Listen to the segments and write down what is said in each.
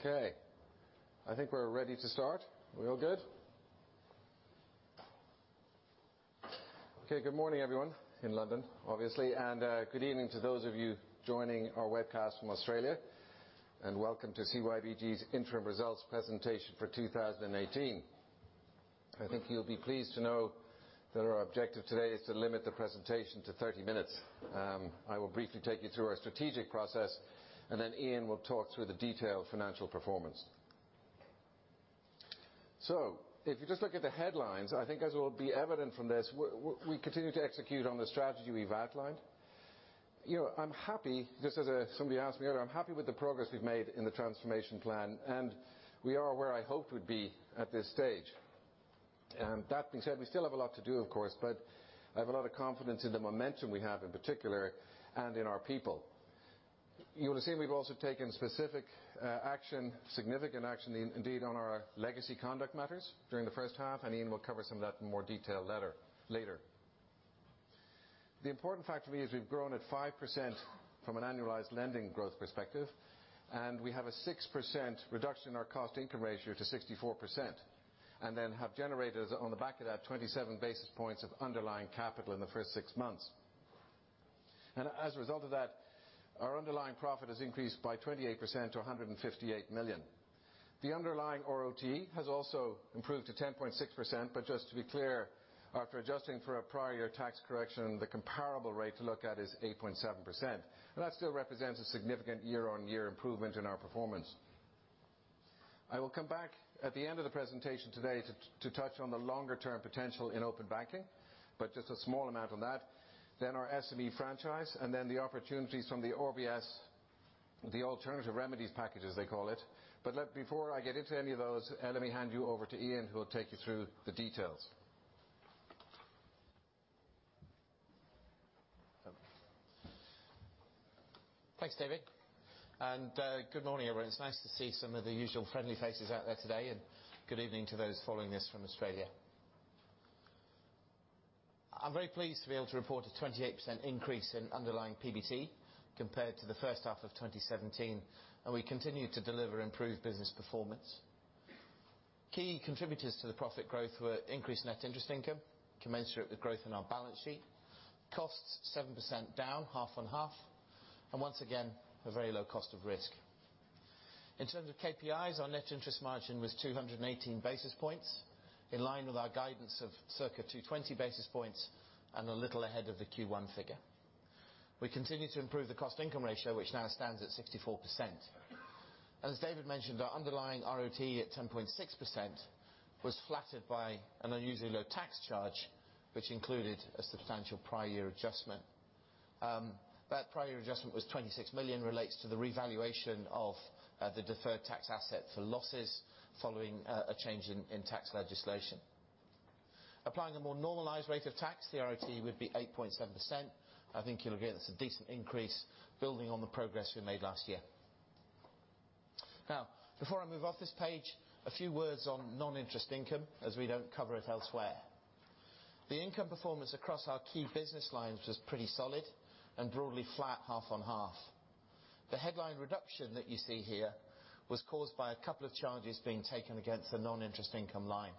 Okay. I think we're ready to start. Are we all good? Good morning everyone in London, obviously, and good evening to those of you joining our webcast from Australia. Welcome to CYBG's interim results presentation for 2018. I think you'll be pleased to know that our objective today is to limit the presentation to 30 minutes. I will briefly take you through our strategic process. Ian will talk through the detailed financial performance. If you just look at the headlines, I think as will be evident from this, we continue to execute on the strategy we've outlined. Somebody asked me earlier, I'm happy with the progress we've made in the transformation plan, and we are where I hoped we'd be at this stage. That being said, we still have a lot to do, of course. I have a lot of confidence in the momentum we have in particular, and in our people. You'll have seen we've also taken specific action, significant action indeed, on our legacy conduct matters during the first half. Ian will cover some of that in more detail later. The important fact for me is we've grown at 5% from an annualized lending growth perspective. We have a 6% reduction in our cost income ratio to 64%. Have generated, on the back of that, 27 basis points of underlying capital in the first six months. As a result of that, our underlying profit has increased by 28% to 158 million. The underlying ROTE has also improved to 10.6%. Just to be clear, after adjusting for a prior year tax correction, the comparable rate to look at is 8.7%. That still represents a significant year-on-year improvement in our performance. I will come back at the end of the presentation today to touch on the longer-term potential in Open Banking, but just a small amount on that. Our SME franchise, and then the opportunities from the RBS, the Alternative Remedies Packages they call it. Before I get into any of those, let me hand you over to Ian, who will take you through the details. Thanks David, good morning everyone. It's nice to see some of the usual friendly faces out there today, good evening to those following this from Australia. I'm very pleased to be able to report a 28% increase in underlying PBT compared to the first half of 2017. We continue to deliver improved business performance. Key contributors to the profit growth were increased net interest income commensurate with growth in our balance sheet. Costs 7% down half on half. Once again, a very low cost of risk. In terms of KPIs, our net interest margin was 218 basis points, in line with our guidance of circa 220 basis points and a little ahead of the Q1 figure. We continue to improve the cost income ratio, which now stands at 64%. As David mentioned, our underlying ROTE at 10.6% was flattered by an unusually low tax charge, which included a substantial prior year adjustment. That prior year adjustment was 26 million, relates to the revaluation of the deferred tax asset for losses following a change in tax legislation. Applying a more normalized rate of tax, the ROTE would be 8.7%. I think you'll agree that's a decent increase building on the progress we made last year. Before I move off this page, a few words on non-interest income, as we don't cover it elsewhere. The income performance across our key business lines was pretty solid and broadly flat half on half. The headline reduction that you see here was caused by a couple of charges being taken against the non-interest income line.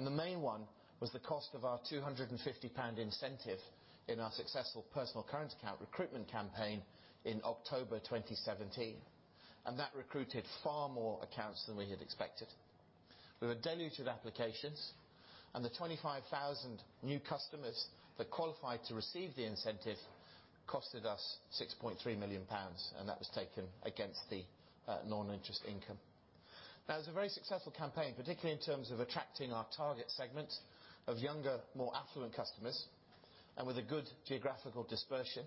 The main one was the cost of our 250 pound incentive in our successful personal current account recruitment campaign in October 2017. That recruited far more accounts than we had expected. We were deluged with applications, and the 25,000 new customers that qualified to receive the incentive costed us 6.3 million pounds, and that was taken against the non-interest income. It was a very successful campaign, particularly in terms of attracting our target segment of younger, more affluent customers and with a good geographical dispersion.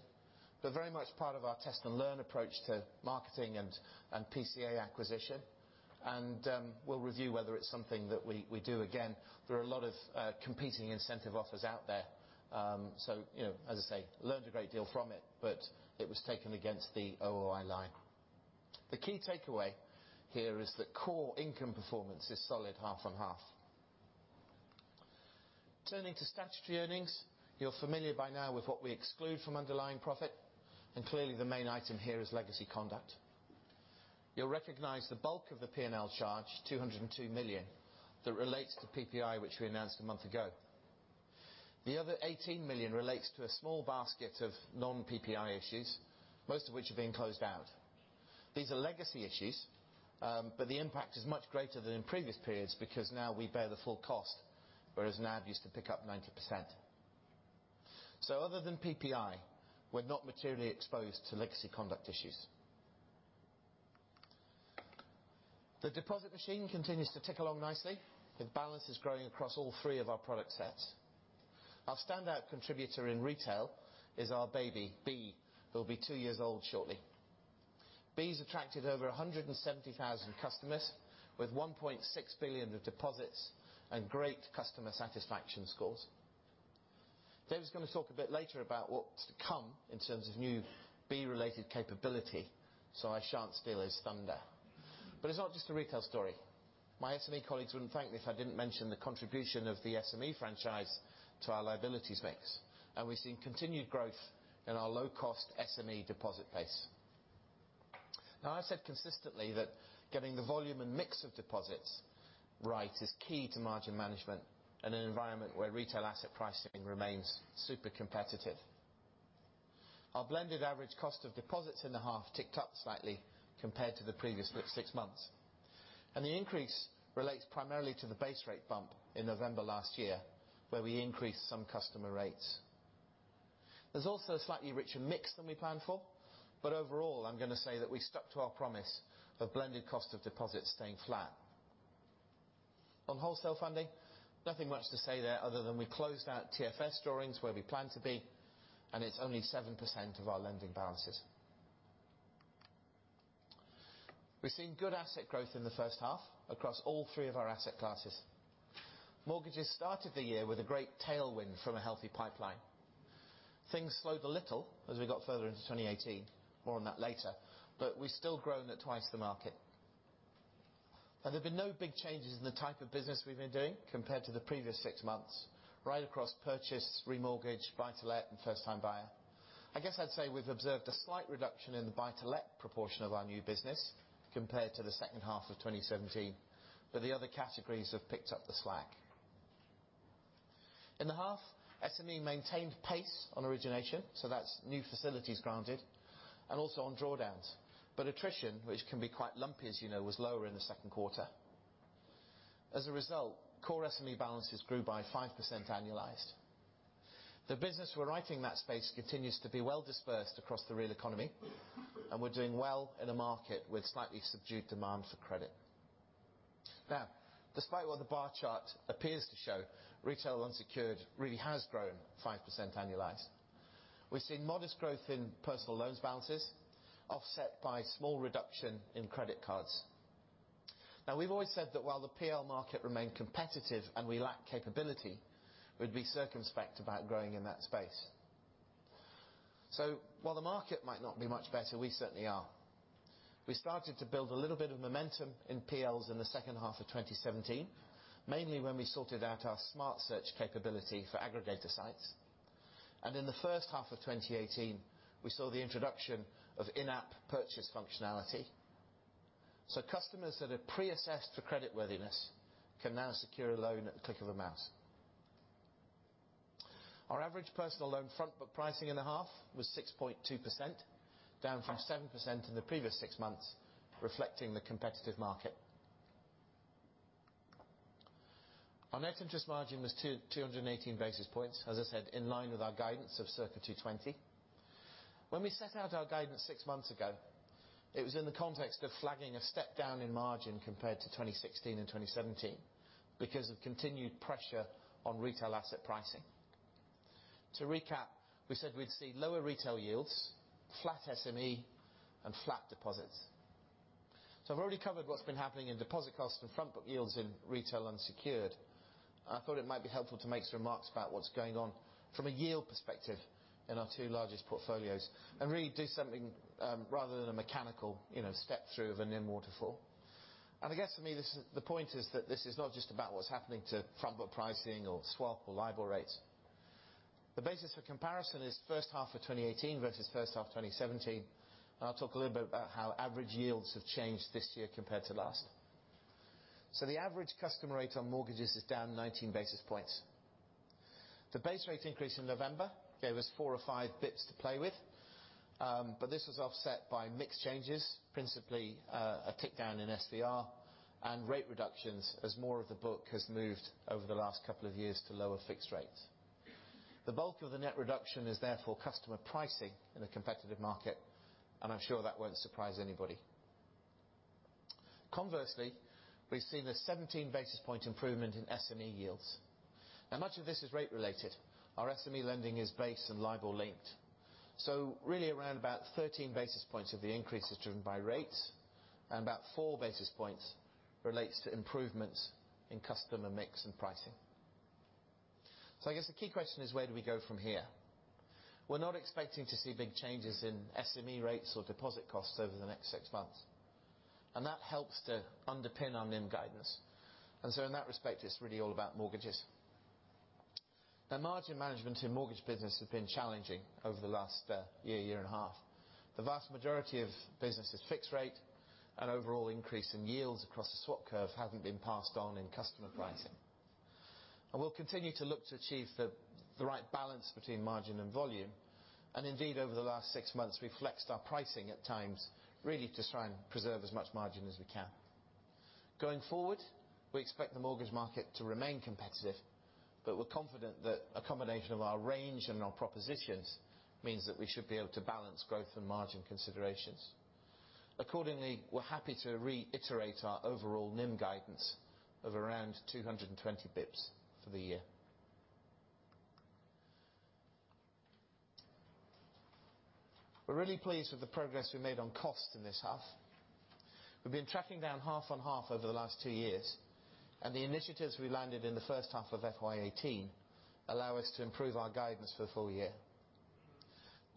They're very much part of our test and learn approach to marketing and PCA acquisition. We'll review whether it's something that we do again. There are a lot of competing incentive offers out there. As I say, learned a great deal from it, but it was taken against the OOI line. The key takeaway here is that core income performance is solid half on half. Turning to statutory earnings, you're familiar by now with what we exclude from underlying profit, and clearly the main item here is legacy conduct. You'll recognize the bulk of the P&L charge, 202 million, that relates to PPI, which we announced a month ago. The other 18 million relates to a small basket of non-PPI issues, most of which have been closed out. These are legacy issues, but the impact is much greater than in previous periods because now we bear the full cost, whereas NAB used to pick up 90%. Other than PPI, we're not materially exposed to legacy conduct issues. The deposit machine continues to tick along nicely with balances growing across all three of our product sets. Our standout contributor in retail is our baby, B, who'll be two years old shortly. B's attracted over 170,000 customers with 1.6 billion of deposits and great customer satisfaction scores. David's going to talk a bit later about what's to come in terms of new B related capability, I shan't steal his thunder. It's not just a retail story. My SME colleagues wouldn't thank me if I didn't mention the contribution of the SME franchise to our liabilities mix. We've seen continued growth in our low-cost SME deposit base. I've said consistently that getting the volume and mix of deposits right is key to margin management in an environment where retail asset pricing remains super competitive. Our blended average cost of deposits in the half ticked up slightly compared to the previous six months. The increase relates primarily to the base rate bump in November last year, where we increased some customer rates. There's also a slightly richer mix than we planned for. Overall, I'm going to say that we stuck to our promise of blended cost of deposits staying flat. On wholesale funding, nothing much to say there other than we closed our TFS drawings where we planned to be, and it's only 7% of our lending balances. We've seen good asset growth in the first half across all three of our asset classes. Mortgages started the year with a great tailwind from a healthy pipeline. Things slowed a little as we got further into 2018. More on that later. We've still grown at twice the market. There have been no big changes in the type of business we've been doing compared to the previous six months, right across purchase, remortgage, buy-to-let, and first time buyer. I guess I'd say we've observed a slight reduction in the buy-to-let proportion of our new business compared to the second half of 2017. The other categories have picked up the slack. In the half, SME maintained pace on origination, so that's new facilities granted, and also on drawdowns. Attrition, which can be quite lumpy, as you know, was lower in the second quarter. As a result, core SME balances grew by 5% annualized. The business we're writing that space continues to be well dispersed across the real economy, and we're doing well in a market with slightly subdued demand for credit. Despite what the bar chart appears to show, retail unsecured really has grown 5% annualized. We've seen modest growth in personal loans balances offset by small reduction in credit cards. We've always said that while the PL market remained competitive and we lack capability, we'd be circumspect about growing in that space. While the market might not be much better, we certainly are. We started to build a little bit of momentum in PLs in the second half of 2017, mainly when we sorted out our Smart Search capability for aggregator sites. In the first half of 2018, we saw the introduction of in-app purchase functionality. Customers that are pre-assessed for creditworthiness can now secure a loan at the click of a mouse. Our average personal loan front book pricing in the half was 6.2%, down from 7% in the previous six months, reflecting the competitive market. Our net interest margin was 218 basis points, as I said, in line with our guidance of circa 220. When we set out our guidance six months ago, it was in the context of flagging a step down in margin compared to 2016 and 2017 because of continued pressure on retail asset pricing. To recap, we said we'd see lower retail yields, flat SME, and flat deposits. I've already covered what's been happening in deposit costs and front book yields in retail unsecured. I thought it might be helpful to make some remarks about what's going on from a yield perspective in our two largest portfolios and really do something rather than a mechanical step through of a NIM waterfall. I guess for me, the point is that this is not just about what's happening to front book pricing or swap or LIBOR rates. The basis for comparison is first half of 2018 versus first half 2017. I'll talk a little bit about how average yields have changed this year compared to last. The average customer rate on mortgages is down 19 basis points. The base rate increase in November gave us four or five basis points to play with. This was offset by mix changes, principally a tick down in SVR and rate reductions as more of the book has moved over the last couple of years to lower fixed rates. The bulk of the net reduction is therefore customer pricing in a competitive market, and I'm sure that won't surprise anybody. Conversely, we've seen a 17 basis point improvement in SME yields. Much of this is rate related. Our SME lending is base and LIBOR linked. Really around about 13 basis points of the increase is driven by rates and about four basis points relates to improvements in customer mix and pricing. I guess the key question is where do we go from here? We're not expecting to see big changes in SME rates or deposit costs over the next six months. That helps to underpin our NIM guidance. In that respect, it's really all about mortgages. Margin management in mortgage business has been challenging over the last year and a half. The vast majority of business is fixed rate and overall increase in yields across the swap curve haven't been passed on in customer pricing. We'll continue to look to achieve the right balance between margin and volume. Indeed, over the last six months, we've flexed our pricing at times really to try and preserve as much margin as we can. Going forward, we expect the mortgage market to remain competitive, but we're confident that a combination of our range and our propositions means that we should be able to balance growth and margin considerations. Accordingly, we're happy to reiterate our overall NIM guidance of around 220 basis points for the year. We're really pleased with the progress we made on cost in this half. We've been tracking down half on half over the last two years, and the initiatives we landed in the first half of FY 2018 allow us to improve our guidance for the full year.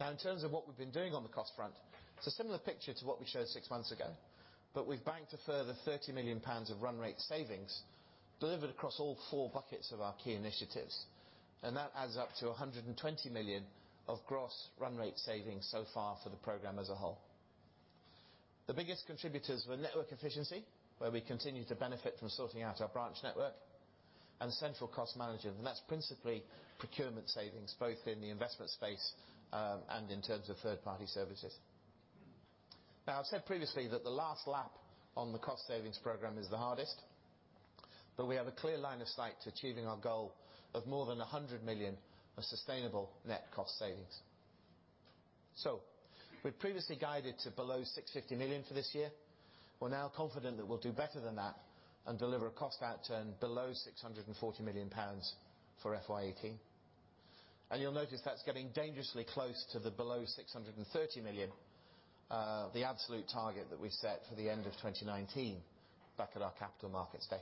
In terms of what we've been doing on the cost front, it's a similar picture to what we showed six months ago. We've banked a further 30 million pounds of run rate savings delivered across all four buckets of our key initiatives. That adds up to 120 million of gross run rate savings so far for the program as a whole. The biggest contributors were network efficiency, where we continue to benefit from sorting out our branch network, central cost management. That's principally procurement savings both in the investment space, and in terms of third party services. I've said previously that the last lap on the cost savings program is the hardest. We have a clear line of sight to achieving our goal of more than 100 million of sustainable net cost savings. We've previously guided to below 650 million for this year. We're now confident that we'll do better than that and deliver a cost outturn below 640 million pounds for FY 2018. You'll notice that's getting dangerously close to the below 630 million, the absolute target that we set for the end of 2019 back at our capital markets day.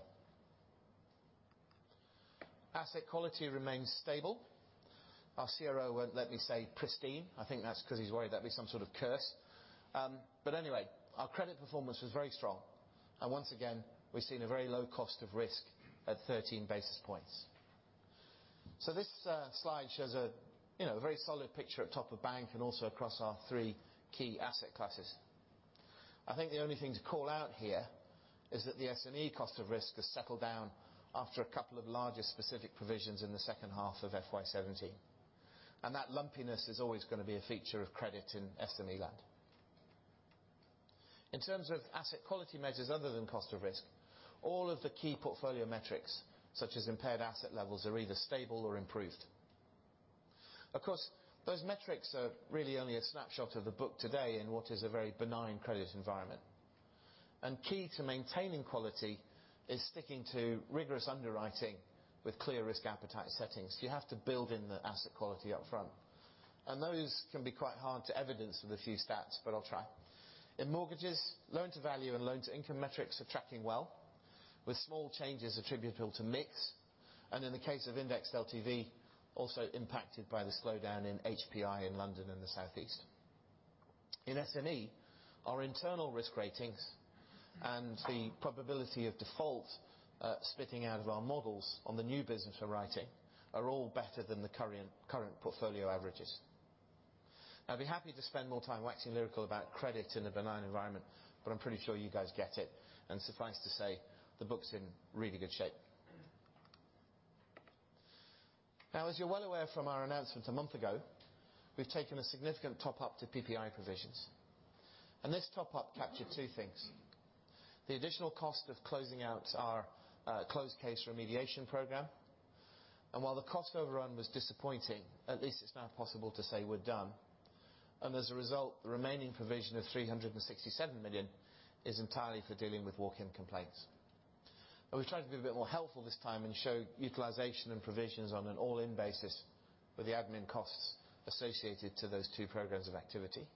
Asset quality remains stable. Our CRO won't let me say pristine. I think that's because he's worried that'd be some sort of curse. Anyway, our credit performance was very strong. Once again, we've seen a very low cost of risk at 13 basis points. This slide shows a very solid picture at top of bank and also across our three key asset classes. The only thing to call out here is that the SME cost of risk has settled down after a couple of larger specific provisions in the second half of FY 2017. That lumpiness is always going to be a feature of credit in SME land. In terms of asset quality measures other than cost of risk, all of the key portfolio metrics, such as impaired asset levels, are either stable or improved. Of course, those metrics are really only a snapshot of the book today in what is a very benign credit environment. Key to maintaining quality is sticking to rigorous underwriting with clear risk appetite settings. You have to build in the asset quality up front. Those can be quite hard to evidence with a few stats, but I'll try. In mortgages, loan to value and loan to income metrics are tracking well with small changes attributable to mix, and in the case of indexed LTV, also impacted by the slowdown in HPI in London and the Southeast. In SME our internal risk ratings and the probability of default spitting out of our models on the new business for writing are all better than the current portfolio averages. I'm pretty sure you guys get it, and suffice to say, the book's in really good shape. As you're well aware from our announcement a month ago, we've taken a significant top up to PPI provisions. This top up captured two things. The additional cost of closing out our closed case remediation program, while the cost overrun was disappointing, at least it's now possible to say we're done. As a result, the remaining provision of 367 million is entirely for dealing with walk-in complaints. We've tried to be a bit more helpful this time and show utilization and provisions on an all-in basis with the admin costs associated to those two programs of activity.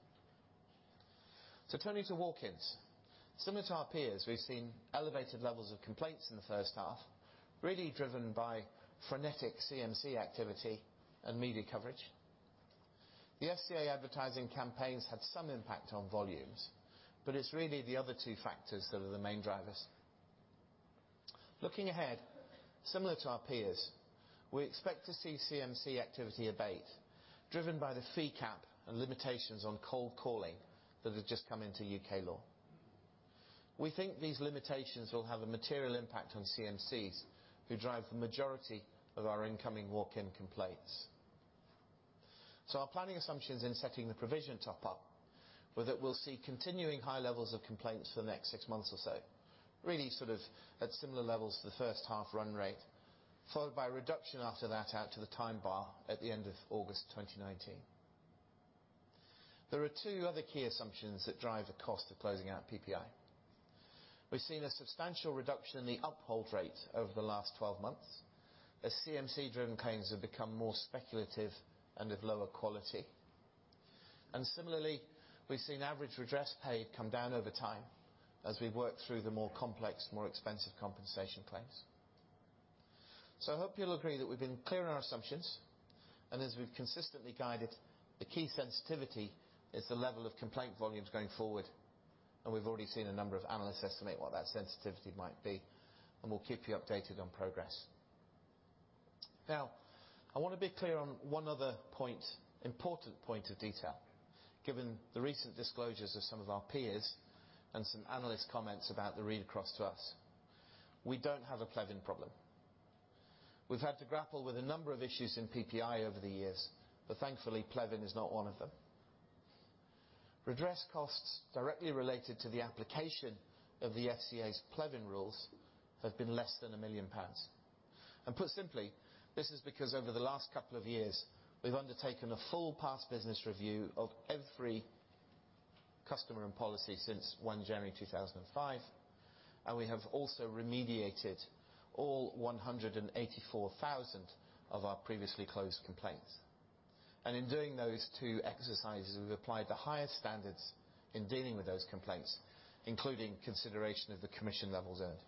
Turning to walk-ins. Similar to our peers, we've seen elevated levels of complaints in the first half, really driven by frenetic CMC activity and media coverage. The FCA advertising campaigns had some impact on volumes, it's really the other two factors that are the main drivers. Looking ahead, similar to our peers, we expect to see CMC activity abate, driven by the fee cap and limitations on cold calling that have just come into U.K. law. We think these limitations will have a material impact on CMCs, who drive the majority of our incoming walk-in complaints. Our planning assumptions in setting the provision top-up were that we'll see continuing high levels of complaints for the next six months or so, really sort of at similar levels to the first half run rate, followed by a reduction after that out to the time bar at the end of August 2019. There are two other key assumptions that drive the cost of closing out PPI. We've seen a substantial reduction in the uphold rate over the last 12 months as CMC driven claims have become more speculative and of lower quality. Similarly, we've seen average redress paid come down over time as we work through the more complex, more expensive compensation claims. I hope you'll agree that we've been clear in our assumptions. As we've consistently guided, the key sensitivity is the level of complaint volumes going forward, and we've already seen a number of analysts estimate what that sensitivity might be, and we'll keep you updated on progress. I want to be clear on one other point, important point of detail, given the recent disclosures of some of our peers and some analyst comments about the read across to us. We don't have a Plevin problem. We've had to grapple with a number of issues in PPI over the years, but thankfully, Plevin is not one of them. Redress costs directly related to the application of the FCA's Plevin rules have been less than 1 million pounds. Put simply, this is because over the last couple of years, we've undertaken a full past business review of every customer and policy since 1 January 2005, and we have also remediated all 184,000 of our previously closed complaints. In doing those two exercises, we've applied the highest standards in dealing with those complaints, including consideration of the commission levels earned.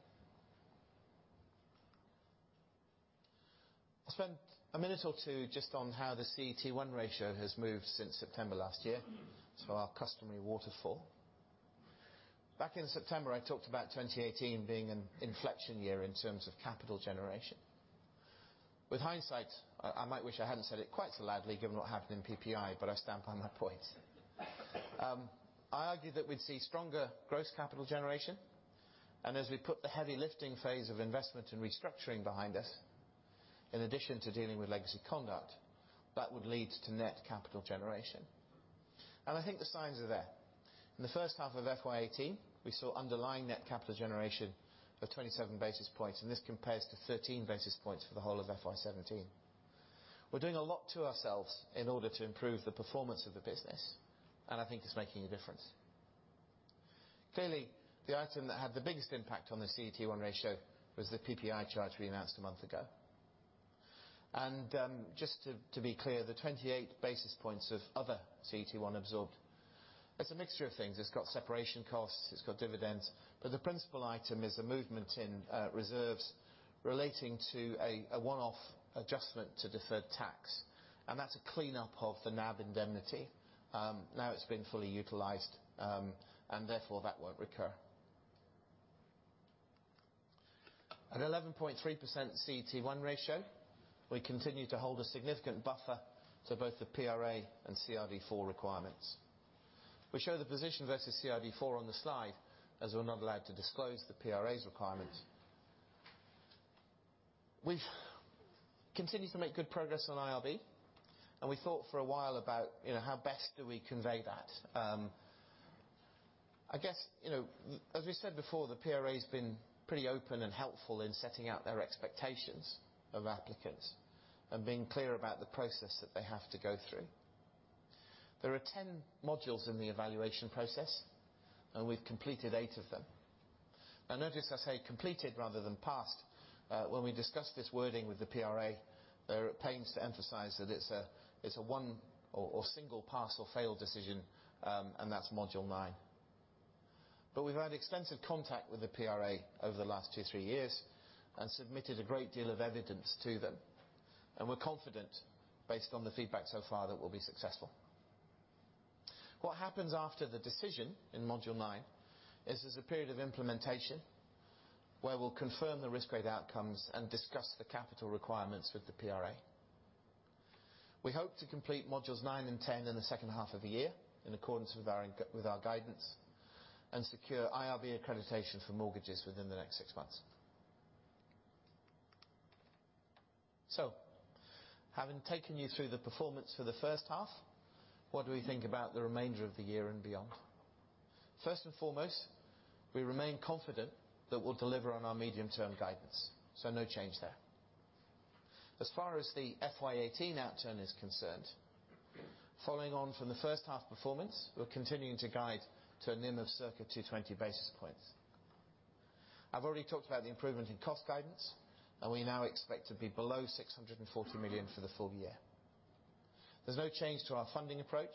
I'll spend a minute or two just on how the CET1 ratio has moved since September last year, so our customary waterfall. Back in September, I talked about 2018 being an inflection year in terms of capital generation. With hindsight, I might wish I hadn't said it quite so loudly given what happened in PPI, but I stand firm on that point. I argued that we'd see stronger gross capital generation, and as we put the heavy lifting phase of investment and restructuring behind us, in addition to dealing with legacy conduct, that would lead to net capital generation. I think the signs are there. In the first half of FY 2018, we saw underlying net capital generation of 27 basis points, and this compares to 13 basis points for the whole of FY 2017. We're doing a lot to ourselves in order to improve the performance of the business, and I think it's making a difference. Clearly, the item that had the biggest impact on the CET1 ratio was the PPI charge we announced a month ago. Just to be clear, the 28 basis points of other CET1 absorbed. It's a mixture of things. It's got separation costs, it's got dividends, but the principal item is the movement in reserves relating to a one-off adjustment to deferred tax, and that's a cleanup of the NAB indemnity. It's been fully utilized, and therefore that won't recur. At 11.3% CET1 ratio, we continue to hold a significant buffer to both the PRA and CRD 4 requirements. We show the position versus CRD 4 on the slide, as we're not allowed to disclose the PRA's requirements. We've continued to make good progress on IRB. We thought for a while about how best do we convey that. As we said before, the PRA's been pretty open and helpful in setting out their expectations of applicants and being clear about the process that they have to go through. There are 10 modules in the evaluation process, and we've completed eight of them. Notice I say completed rather than passed. When we discussed this wording with the PRA, they were at pains to emphasize that it's a one or single pass or fail decision, and that's module nine. We've had extensive contact with the PRA over the last two, three years and submitted a great deal of evidence to them. We're confident based on the feedback so far that we'll be successful. What happens after the decision in module nine is there's a period of implementation where we'll confirm the risk weight outcomes and discuss the capital requirements with the PRA. We hope to complete modules nine and 10 in the second half of the year in accordance with our guidance and secure IRB accreditation for mortgages within the next six months. Having taken you through the performance for the first half, what do we think about the remainder of the year and beyond? First and foremost, we remain confident that we'll deliver on our medium-term guidance, so no change there. As far as the FY 2018 outturn is concerned, following on from the first half performance we're continuing to guide to a NIM of circa 220 basis points. I've already talked about the improvement in cost guidance, and we now expect to be below 640 million for the full year. There's no change to our funding approach,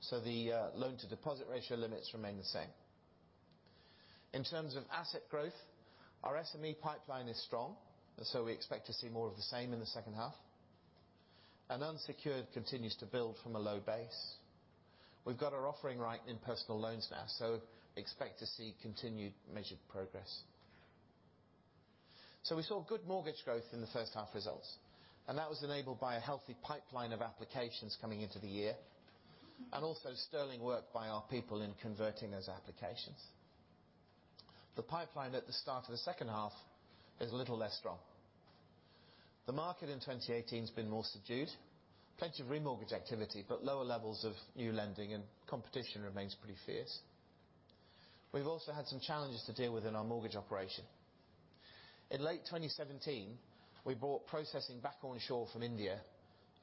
so the loan to deposit ratio limits remain the same. In terms of asset growth, our SME pipeline is strong, so we expect to see more of the same in the second half. Unsecured continues to build from a low base. We've got our offering right in personal loans now, so expect to see continued measured progress. We saw good mortgage growth in the first half results, that was enabled by a healthy pipeline of applications coming into the year, also sterling work by our people in converting those applications. The pipeline at the start of the second half is a little less strong. The market in 2018's been more subdued. Plenty of remortgage activity, lower levels of new lending and competition remains pretty fierce. We've also had some challenges to deal with in our mortgage operation. In late 2017, we brought processing back onshore from India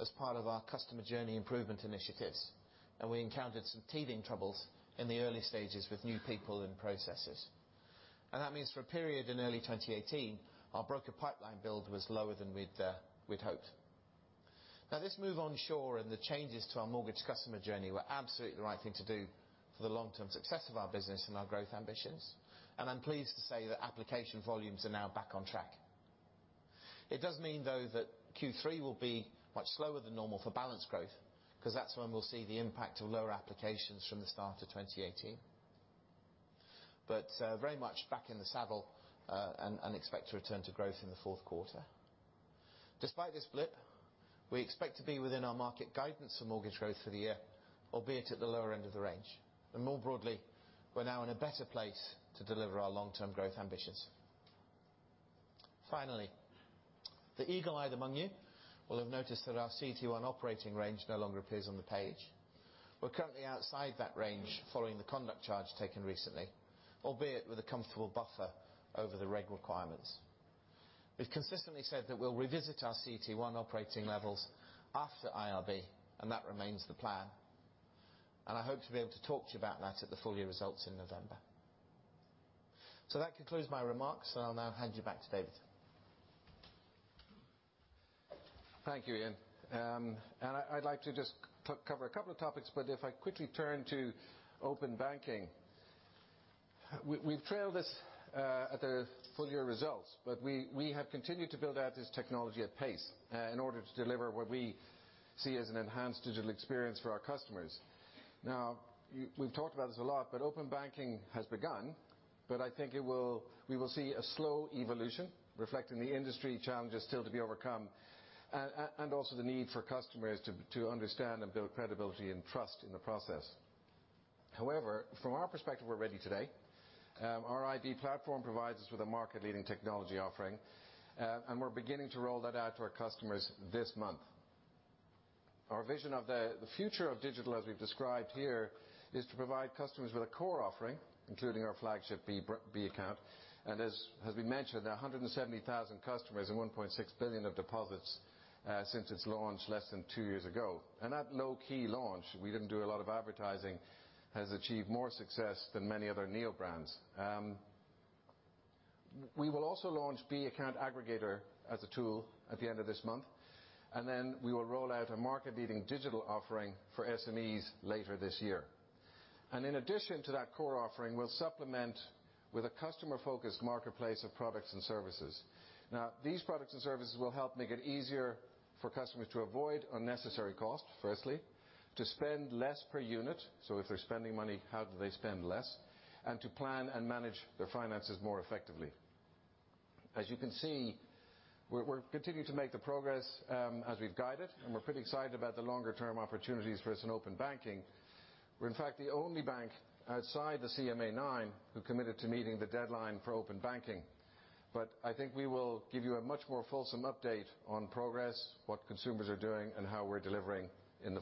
as part of our customer journey improvement initiatives, we encountered some teething troubles in the early stages with new people and processes. That means for a period in early 2018, our broker pipeline build was lower than we'd hoped. This move onshore and the changes to our mortgage customer journey were absolutely the right thing to do for the long-term success of our business and our growth ambitions. I'm pleased to say that application volumes are now back on track. It does mean, though, that Q3 will be much slower than normal for balance growth because that's when we'll see the impact of lower applications from the start of 2018. Very much back in the saddle, and expect to return to growth in the fourth quarter. Despite this blip, we expect to be within our market guidance for mortgage growth for the year, albeit at the lower end of the range. More broadly, we're now in a better place to deliver our long-term growth ambitions. Finally, the eagle-eyed among you will have noticed that our CET1 operating range no longer appears on the page. We're currently outside that range following the conduct charge taken recently, albeit with a comfortable buffer over the reg requirements. We've consistently said that we'll revisit our CET1 operating levels after IRB, and that remains the plan. I hope to be able to talk to you about that at the full year results in November. That concludes my remarks, and I'll now hand you back to David. Thank you, Ian. I'd like to just cover a couple of topics. If I quickly turn to Open Banking, we've trailed this at the full year results, but we have continued to build out this technology at pace in order to deliver what we see as an enhanced digital experience for our customers. We've talked about this a lot, but Open Banking has begun. I think we will see a slow evolution reflecting the industry challenges still to be overcome, and also the need for customers to understand and build credibility and trust in the process. However, from our perspective, we're ready today. Our iB platform provides us with a market-leading technology offering, and we're beginning to roll that out to our customers this month. Our vision of the future of digital, as we've described here, is to provide customers with a core offering, including our flagship bAccount. As has been mentioned, there are 170,000 customers and 1.6 billion of deposits since its launch less than two years ago. That low-key launch, we didn't do a lot of advertising, has achieved more success than many other neo brands. We will also launch bAccount Aggregator as a tool at the end of this month. We will roll out a market-leading digital offering for SMEs later this year. In addition to that core offering, we'll supplement with a customer-focused marketplace of products and services. These products and services will help make it easier for customers to avoid unnecessary costs, firstly. To spend less per unit, so if they're spending money, how do they spend less? To plan and manage their finances more effectively. As you can see, we're continuing to make the progress as we've guided, and we're pretty excited about the longer-term opportunities for us in Open Banking. We're, in fact, the only bank outside the CMA9 who committed to meeting the deadline for Open Banking. I think we will give you a much more fulsome update on progress, what consumers are doing, and how we're delivering in the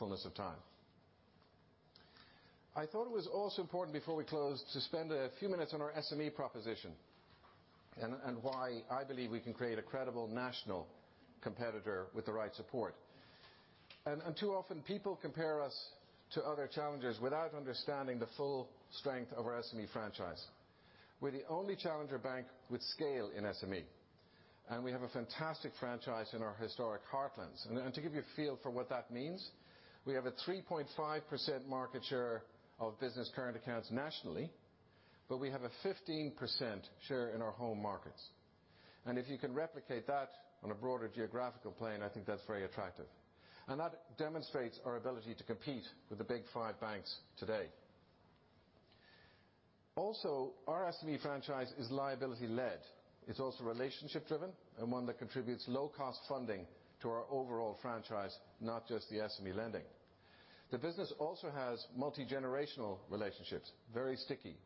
fullness of time. I thought it was also important before we close to spend a few minutes on our SME proposition, and why I believe we can create a credible national competitor with the right support. Too often people compare us to other challengers without understanding the full strength of our SME franchise. We're the only challenger bank with scale in SME, and we have a fantastic franchise in our historic heartlands. To give you a feel for what that means, we have a 3.5% market share of business current accounts nationally, but we have a 15% share in our home markets. If you can replicate that on a broader geographical plane, I think that's very attractive. That demonstrates our ability to compete with the Big Five banks today. Also, our SME franchise is liability led. It's also relationship driven and one that contributes low-cost funding to our overall franchise, not just the SME lending. The business also has multi-generational relationships, very sticky,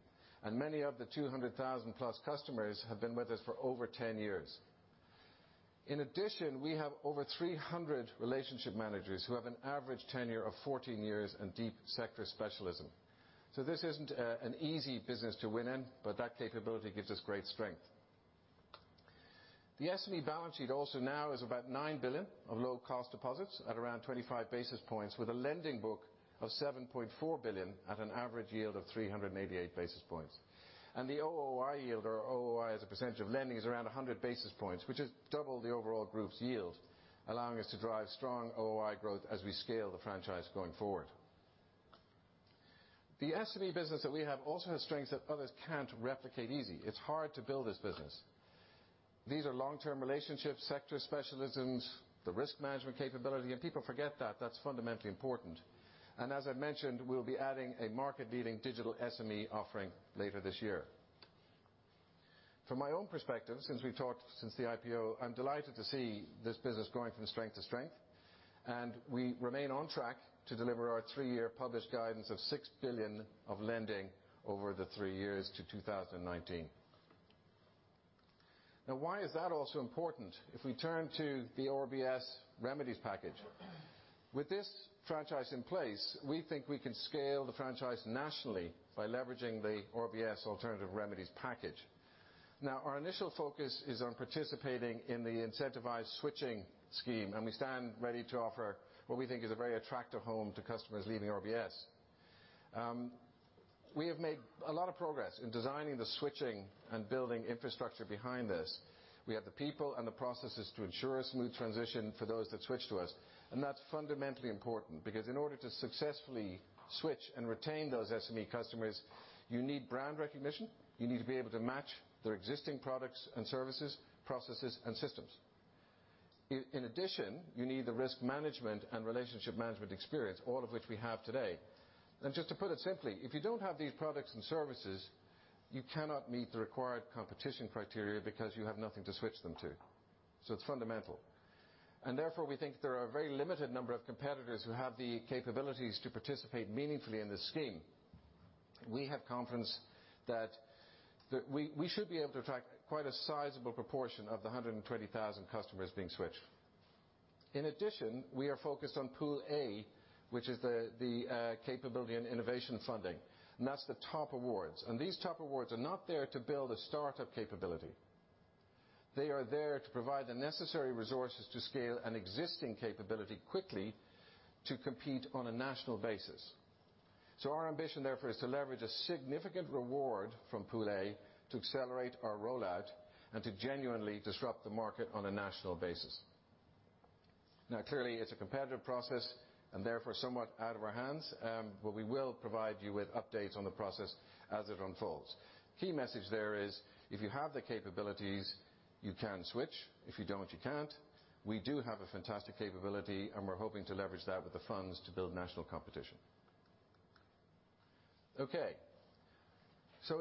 and many of the 200,000 plus customers have been with us for over 10 years. In addition, we have over 300 relationship managers who have an average tenure of 14 years and deep sector specialism. This isn't an easy business to win in, but that capability gives us great strength. The SME balance sheet also now is about 9 billion of low-cost deposits at around 25 basis points, with a lending book of 7.4 billion at an average yield of 388 basis points. The OOI yield or OOI as a percentage of lending is around 100 basis points, which is double the overall group's yield, allowing us to drive strong OOI growth as we scale the franchise going forward. The SME business that we have also has strengths that others can't replicate easy. It's hard to build this business. These are long-term relationships, sector specialisms, the risk management capability, and people forget that. That's fundamentally important. As I mentioned, we'll be adding a market-leading digital SME offering later this year. From my own perspective, since we've talked since the IPO, I'm delighted to see this business going from strength to strength, and we remain on track to deliver our three-year published guidance of 6 billion of lending over the three years to 2019. Why is that also important? If we turn to the RBS remedies package. With this franchise in place, we think we can scale the franchise nationally by leveraging the RBS alternative remedies package. Our initial focus is on participating in the incentivized switching scheme, and we stand ready to offer what we think is a very attractive home to customers leaving RBS. We have made a lot of progress in designing the switching and building infrastructure behind this. We have the people and the processes to ensure a smooth transition for those that switch to us. That's fundamentally important because in order to successfully switch and retain those SME customers, you need brand recognition. You need to be able to match their existing products and services, processes, and systems. In addition, you need the risk management and relationship management experience, all of which we have today. Just to put it simply, if you don't have these products and services, you cannot meet the required competition criteria because you have nothing to switch them to. It's fundamental. Therefore, we think there are a very limited number of competitors who have the capabilities to participate meaningfully in this scheme. We have confidence that we should be able to attract quite a sizable proportion of the 120,000 customers being switched. In addition, we are focused on Pool A, which is the capability and innovation funding, and that's the top awards. These top awards are not there to build a startup capability. They are there to provide the necessary resources to scale an existing capability quickly to compete on a national basis. Our ambition, therefore, is to leverage a significant reward from Pool A to accelerate our rollout and to genuinely disrupt the market on a national basis. Clearly, it's a competitive process, and therefore, somewhat out of our hands. We will provide you with updates on the process as it unfolds. Key message there is, if you have the capabilities, you can switch. If you don't, you can't. We do have a fantastic capability, and we're hoping to leverage that with the funds to build national competition.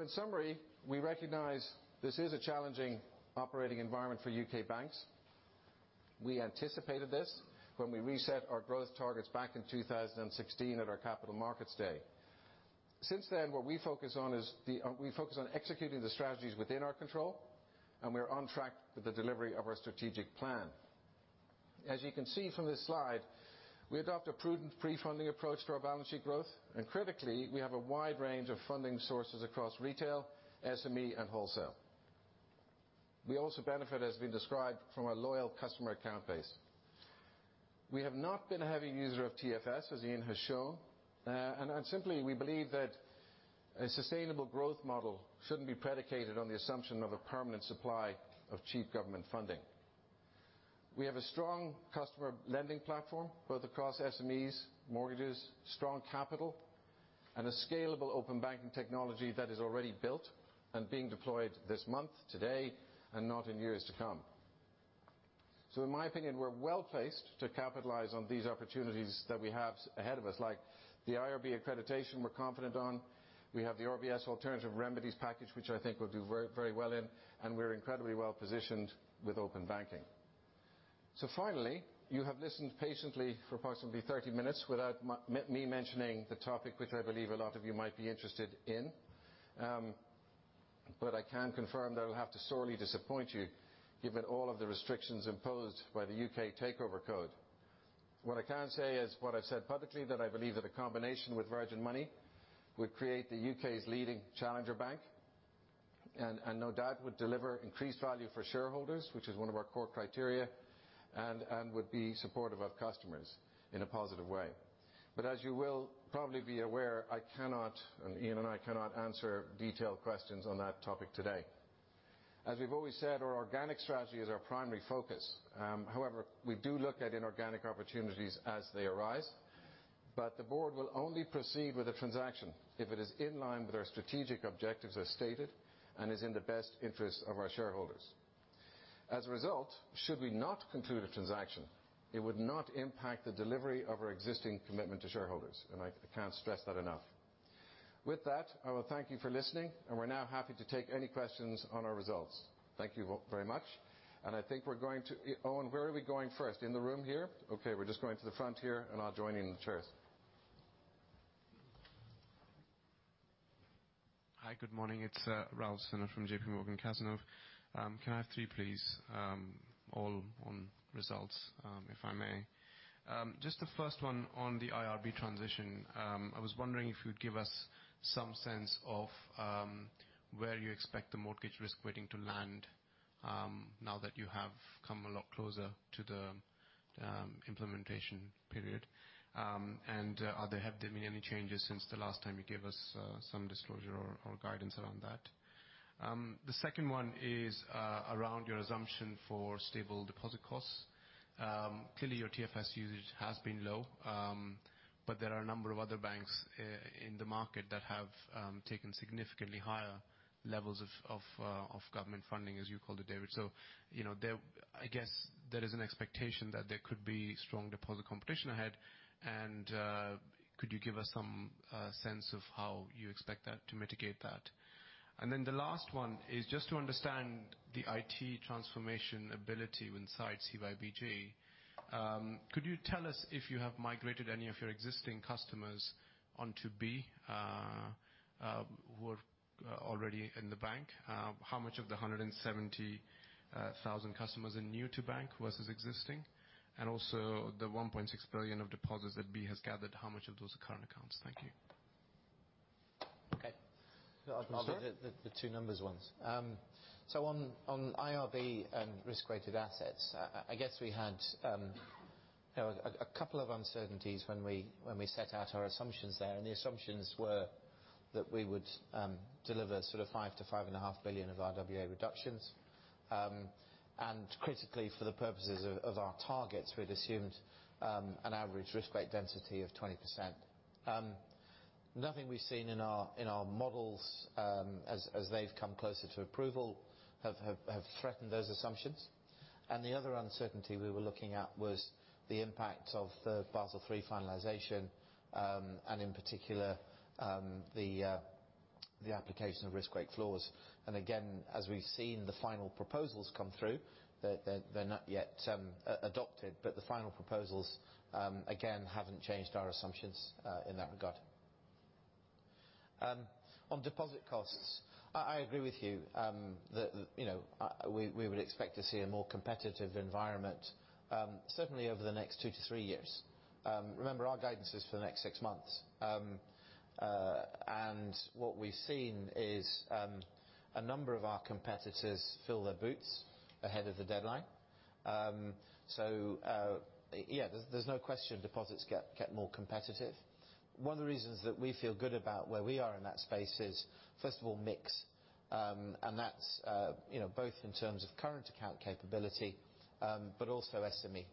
In summary, we recognize this is a challenging operating environment for U.K. banks. We anticipated this when we reset our growth targets back in 2016 at our Capital Markets Day. Since then, we focus on executing the strategies within our control, and we are on track with the delivery of our strategic plan. As you can see from this slide, we adopt a prudent pre-funding approach to our balance sheet growth. Critically, we have a wide range of funding sources across retail, SME, and wholesale. We also benefit, as been described, from our loyal customer account base. We have not been a heavy user of TFS, as Ian has shown. Simply, we believe that a sustainable growth model shouldn't be predicated on the assumption of a permanent supply of cheap government funding. We have a strong customer lending platform, both across SMEs, mortgages, strong capital, and a scalable Open Banking technology that is already built and being deployed this month, today, and not in years to come. In my opinion, we're well-placed to capitalize on these opportunities that we have ahead of us, like the IRB accreditation we're confident on. We have the RBS alternative remedies package, which I think will do very well in, and we're incredibly well-positioned with Open Banking. Finally, you have listened patiently for approximately 30 minutes without me mentioning the topic which I believe a lot of you might be interested in. I can confirm that I'll have to sorely disappoint you given all of the restrictions imposed by the U.K. Takeover Code. What I can say is what I've said publicly, that I believe that a combination with Virgin Money would create the U.K.'s leading challenger bank, and no doubt would deliver increased value for shareholders, which is one of our core criteria, and would be supportive of customers in a positive way. As you will probably be aware, I cannot, and Ian and I cannot answer detailed questions on that topic today. As we've always said, our organic strategy is our primary focus. We do look at inorganic opportunities as they arise. The board will only proceed with a transaction if it is in line with our strategic objectives as stated and is in the best interest of our shareholders. As a result, should we not conclude a transaction, it would not impact the delivery of our existing commitment to shareholders. I can't stress that enough. With that, I will thank you for listening, and we're now happy to take any questions on our results. Thank you all very much. I think we're going to Owen, where are we going first? In the room here? Okay, we're just going to the front here, and I'll join you in the chairs. Hi, good morning. It's Rahul Sinha from J.P. Morgan Cazenove. Can I have three, please? All on results, if I may. Just the first one on the IRB transition. I was wondering if you'd give us some sense of where you expect the mortgage risk weighting to land now that you have come a lot closer to the implementation period. Have there been any changes since the last time you gave us some disclosure or guidance around that? The second one is around your assumption for stable deposit costs. Clearly, your TFS usage has been low. There are a number of other banks in the market that have taken significantly higher levels of government funding, as you called it, David. I guess there is an expectation that there could be strong deposit competition ahead. Could you give us some sense of how you expect to mitigate that? Then the last one is just to understand the IT transformation ability inside CYBG. Could you tell us if you have migrated any of your existing customers onto B who are already in the bank? How much of the 170,000 customers are new to bank versus existing? And also the 1.6 billion of deposits that B has gathered, how much of those are current accounts? Thank you. Okay. I'll do the two numbers ones. On IRB and risk-weighted assets, I guess we had a couple of uncertainties when we set out our assumptions there, and the assumptions were that we would deliver sort of 5 billion-5.5 billion of RWA reductions. Critically, for the purposes of our targets, we'd assumed an average risk weight density of 20%. Nothing we've seen in our models, as they've come closer to approval, have threatened those assumptions. The other uncertainty we were looking at was the impact of the Basel III finalization, and in particular, the application of risk weight floors. Again, as we've seen the final proposals come through, they're not yet adopted, but the final proposals, again, haven't changed our assumptions in that regard. On deposit costs, I agree with you that we would expect to see a more competitive environment certainly over the next two to three years. Remember, our guidance is for the next six months. What we've seen is a number of our competitors fill their boots ahead of the deadline. Yeah, there's no question deposits get more competitive. One of the reasons that we feel good about where we are in that space is, first of all, mix That's both in terms of current account capability, but also SME.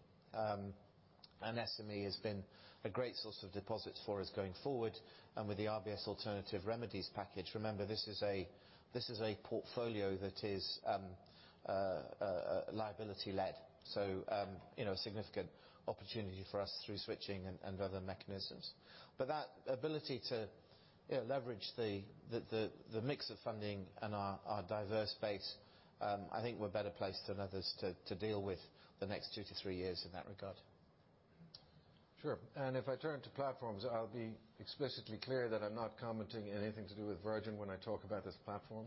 SME has been a great source of deposits for us going forward and with the RBS alternative remedies package. Remember, this is a portfolio that is liability led. A significant opportunity for us through switching and other mechanisms. That ability to leverage the mix of funding and our diverse base, I think we're better placed than others to deal with the next two to three years in that regard. Sure. If I turn to platforms, I'll be explicitly clear that I'm not commenting anything to do with Virgin when I talk about this platform.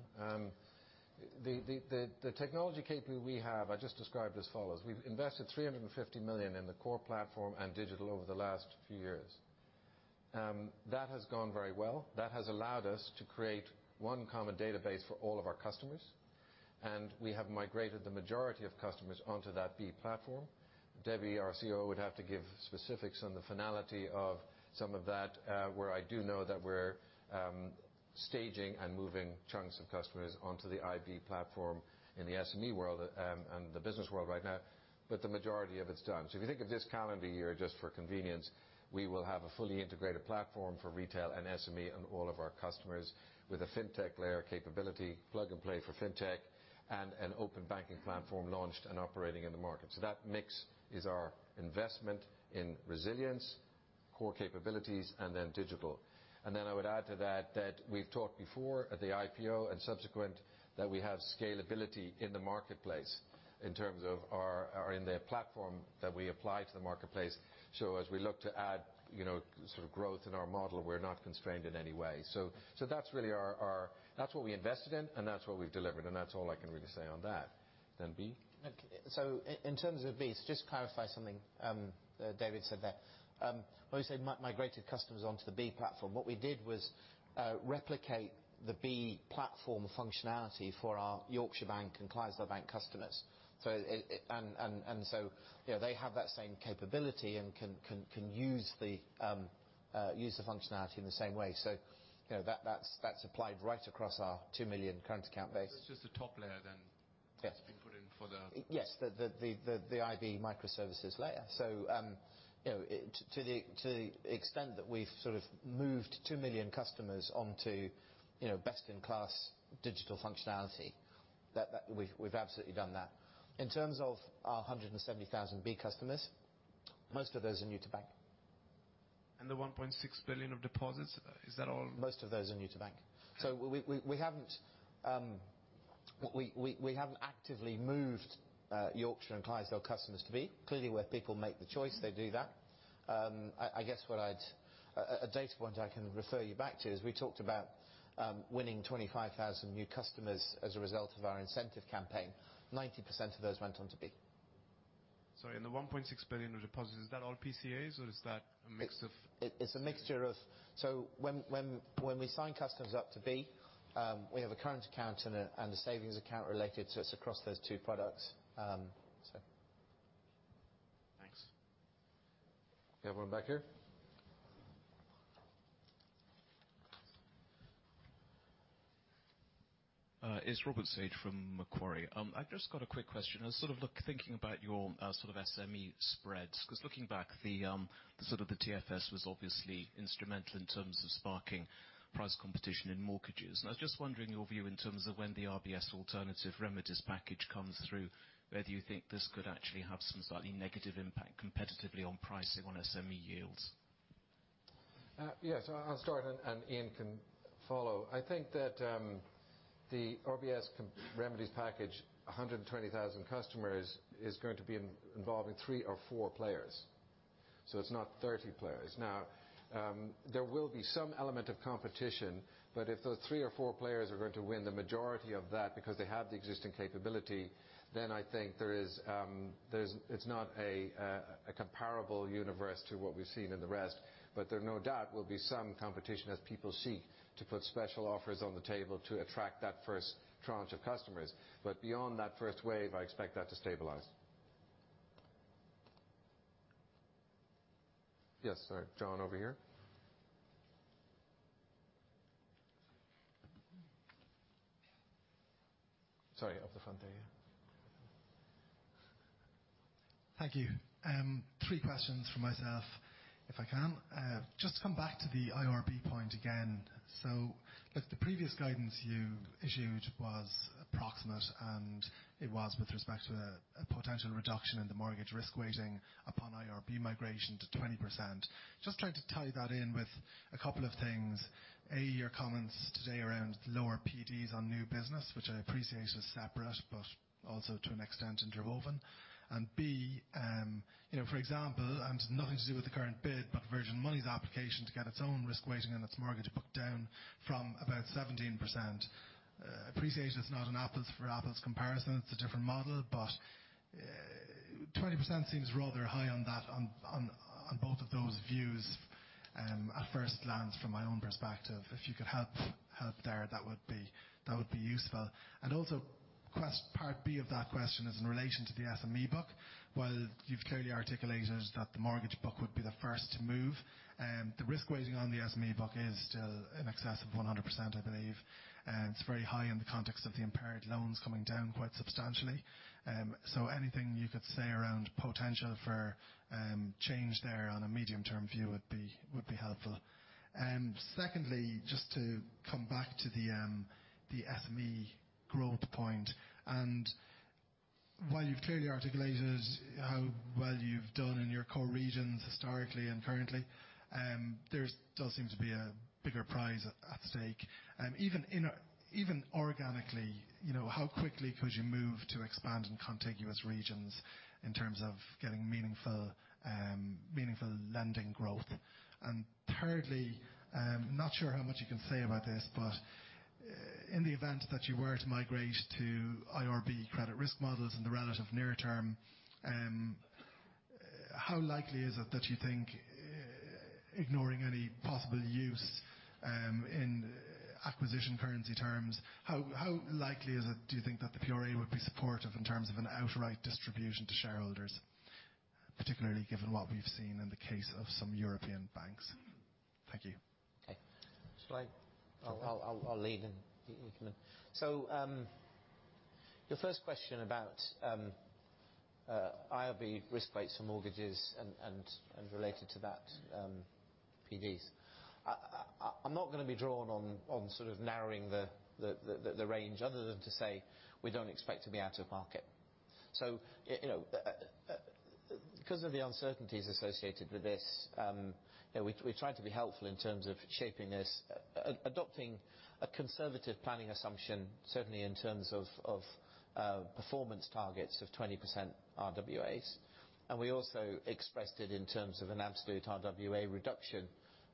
The technology capability we have, I just described as follows: We've invested 350 million in the core platform and digital over the last few years. That has gone very well. That has allowed us to create one common database for all of our customers, and we have migrated the majority of customers onto that B platform. Debbie, our COO, would have to give specifics on the finality of some of that, where I do know that we're staging and moving chunks of customers onto the iB platform in the SME world and the business world right now. The majority of it's done. If you think of this calendar year just for convenience, we will have a fully integrated platform for retail and SME and all of our customers with a fintech layer capability, plug and play for fintech, and an Open Banking platform launched and operating in the market. That mix is our investment in resilience, core capabilities, and then digital. I would add to that we've talked before at the IPO and subsequent, that we have scalability in the marketplace in terms of our platform that we apply to the marketplace. As we look to add growth in our model, we're not constrained in any way. That's what we invested in and that's what we've delivered, and that's all I can really say on that. B? Okay. In terms of B, just to clarify something David said there. When you say migrated customers onto the B platform, what we did was replicate the B platform functionality for our Yorkshire Bank and Clydesdale Bank customers. They have that same capability and can use the functionality in the same way. That's applied right across our 2 million current account base. It's just the top layer then. Yes that's been put in for the. Yes. The IB microservices layer. To the extent that we've sort of moved 2 million customers onto best in class digital functionality, we've absolutely done that. In terms of our 170,000 B customers, most of those are new to bank. The 1.6 billion of deposits, is that all- Most of those are new to bank. We haven't actively moved Yorkshire and Clydesdale customers to B. Clearly, where people make the choice, they do that. A data point I can refer you back to is we talked about winning 25,000 new customers as a result of our incentive campaign. 90% of those went on to B. Sorry. The 1.6 billion of deposits, is that all PCAs or is that a mix of- It's a mixture of. When we sign customers up to B, we have a current account and a savings account related, so it's across those two products. Thanks. Anyone back here? It's Robert Sage from Macquarie. I've just got a quick question. I was thinking about your SME spreads, because looking back, the TFS was obviously instrumental in terms of sparking price competition in mortgages. I was just wondering your view in terms of when the RBS Alternative Remedies package comes through, whether you think this could actually have some slightly negative impact competitively on pricing on SME yields. Yeah. I'll start and Ian can follow. I think that the RBS Remedies package, 120,000 customers is going to be involving three or four players, so it's not 30 players. There will be some element of competition, but if those three or four players are going to win the majority of that because they have the existing capability, then I think it's not a comparable universe to what we've seen in the rest. There no doubt will be some competition as people seek to put special offers on the table to attract that first tranche of customers. Beyond that first wave, I expect that to stabilize. Yes. Sorry, John, over here. Sorry. Up the front there, yeah. Thank you. Three questions from myself, if I can. Just to come back to the IRB point again. Look, the previous guidance you issued was approximate, and it was with respect to a potential reduction in the mortgage risk weighting upon IRB migration to 20%. Just trying to tie that in with a couple of things. A, your comments today around lower PDs on new business, which I appreciate is separate, but also to an extent interwoven. B, for example, and nothing to do with the current bid, but Virgin Money's application to get its own risk weighting on its mortgage book down from about 17%. I appreciate it's not an apples for apples comparison. It's a different model. 20% seems rather high on both of those views at first glance from my own perspective. If you could help there, that would be useful. Also, part B of that question is in relation to the SME book. While you've clearly articulated that the mortgage book would be the first to move, the risk weighting on the SME book is still in excess of 100%, I believe. It's very high in the context of the impaired loans coming down quite substantially. Anything you could say around potential for change there on a medium term view would be helpful. Secondly, just to come back to the SME growth point. While you've clearly articulated how well you've done in your core regions historically and currently, there does seem to be a bigger prize at stake. Even organically, how quickly could you move to expand in contiguous regions in terms of getting meaningful lending growth? Thirdly, not sure how much you can say about this, but in the event that you were to migrate to IRB credit risk models in the relative near term, how likely is it that you think, ignoring any possible use in acquisition currency terms, how likely is it, do you think, that the PRA would be supportive in terms of an outright distribution to shareholders, particularly given what we've seen in the case of some European banks? Thank you. Okay. Should I? Sure. I'll lead. Your first question about IRB risk rates for mortgages and related to that, PDs. I'm not going to be drawn on narrowing the range other than to say we don't expect to be out of market. Because of the uncertainties associated with this, we've tried to be helpful in terms of shaping this, adopting a conservative planning assumption, certainly in terms of performance targets of 20% RWAs. We also expressed it in terms of an absolute RWA reduction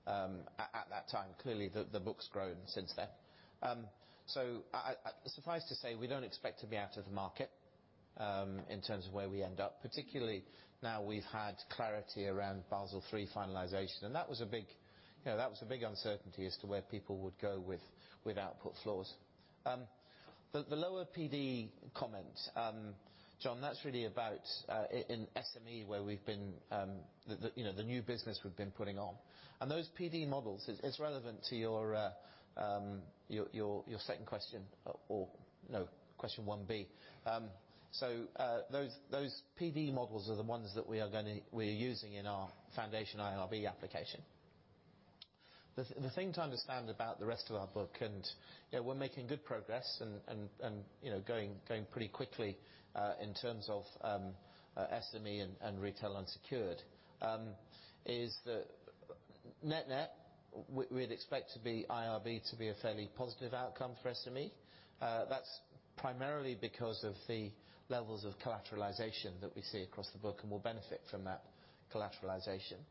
at that time. Clearly, the book's grown since then. Suffice to say, we don't expect to be out of the market in terms of where we end up, particularly now we've had clarity around Basel III finalization. That was a big uncertainty as to where people would go with output floors. The lower PD comment, John, that's really about in SME where we've been, the new business we've been putting on. Those PD models, it's relevant to your second question or no, question 1B. Those PD models are the ones that we are using in our foundation IRB application. The thing to understand about the rest of our book, and we're making good progress and going pretty quickly in terms of SME and retail unsecured, is that net-net, we'd expect IRB to be a fairly positive outcome for SME. That's primarily because of the levels of collateralization that we see across the book and will benefit from that collateralization.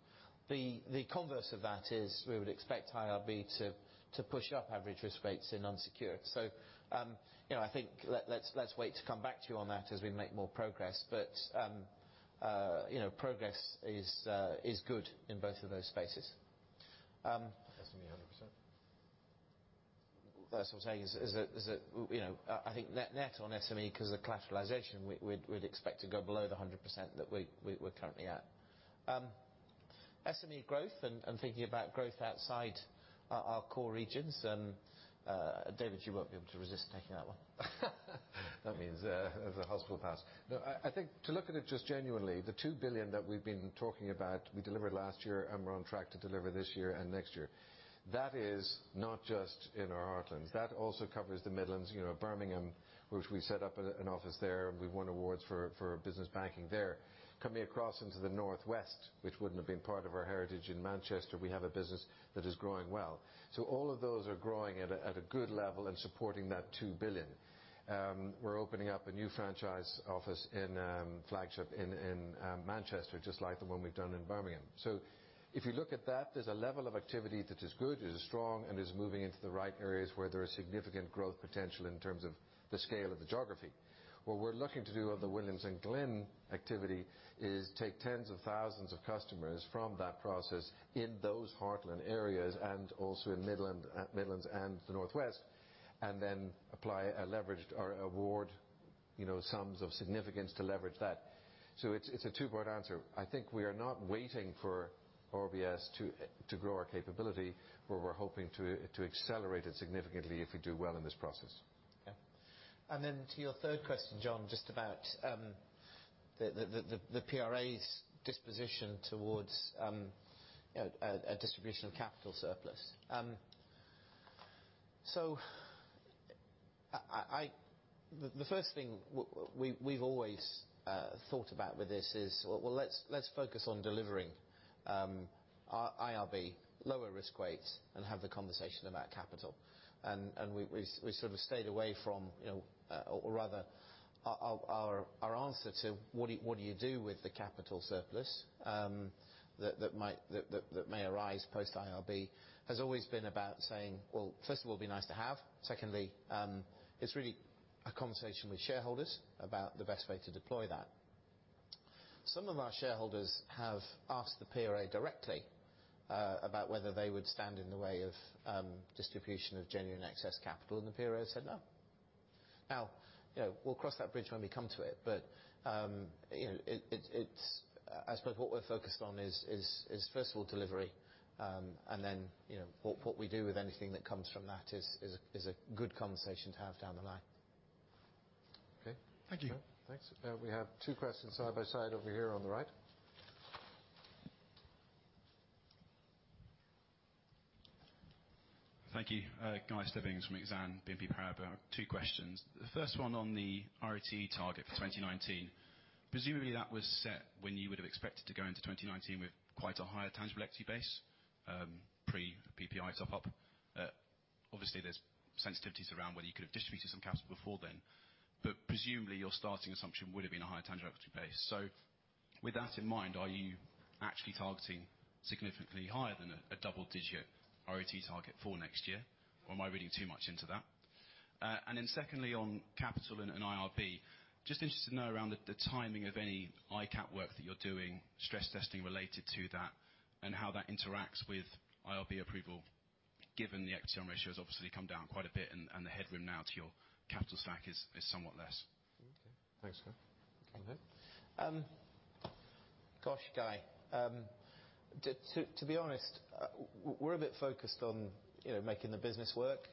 The converse of that is we would expect IRB to push up average risk rates in unsecured. I think let's wait to come back to you on that as we make more progress. Progress is good in both of those spaces. SME, 100%. That's what I'm saying. I think net-net on SME, because of the collateralization, we'd expect to go below the 100% that we're currently at. SME growth and thinking about growth outside our core regions, and David, you won't be able to resist taking that one. That means the hot potato pass. I think to look at it just genuinely, the 2 billion that we've been talking about, we delivered last year and we're on track to deliver this year and next year. That is not just in our heartlands. That also covers the Midlands, Birmingham, which we set up an office there, and we've won awards for business banking there. Coming across into the North West, which wouldn't have been part of our heritage in Manchester, we have a business that is growing well. All of those are growing at a good level and supporting that 2 billion. We're opening up a new franchise office in flagship in Manchester, just like the one we've done in Birmingham. If you look at that, there's a level of activity that is good, is strong, and is moving into the right areas where there is significant growth potential in terms of the scale of the geography. What we're looking to do with the Williams & Glyn activity is take tens of thousands of customers from that process in those heartland areas and also in Midlands and the North West, and then apply a leveraged or award sums of significance to leverage that. It's a two-part answer. I think we are not waiting for RBS to grow our capability, where we're hoping to accelerate it significantly if we do well in this process. Okay. To your third question, John, just about the PRA's disposition towards a distribution of capital surplus. The first thing we've always thought about with this is, well, let's focus on delivering IRB lower risk weights and have the conversation about capital. We sort of stayed away from or rather our answer to what do you do with the capital surplus that may arise post IRB, has always been about saying, well, first of all, it'd be nice to have. Secondly, it's really a conversation with shareholders about the best way to deploy that. Some of our shareholders have asked the PRA directly about whether they would stand in the way of distribution of genuine excess capital, and the PRA said no. We'll cross that bridge when we come to it. I suppose what we're focused on is first of all delivery, and then what we do with anything that comes from that is a good conversation to have down the line. Okay. Thank you. Thanks. We have two questions side by side over here on the right. Thank you. Guy Stebbings from Exane BNP Paribas. I have two questions. The first one on the ROTE target for 2019. Presumably, that was set when you would have expected to go into 2019 with quite a higher tangible equity base, pre PPI top-up. Obviously, there's sensitivities around whether you could have distributed some capital before then. Presumably your starting assumption would have been a higher tangible equity base. With that in mind, are you actually targeting significantly higher than a double-digit ROTE target for next year? Or am I reading too much into that? Then secondly, on capital and IRB. Just interested to know around the timing of any ICAAP work that you're doing, stress testing related to that, and how that interacts with IRB approval, given the RPM ratio has obviously come down quite a bit and the headroom now to your capital stack is somewhat less. Okay. Thanks, Guy. Kevin? Gosh, Guy. To be honest, we're a bit focused on making the business work.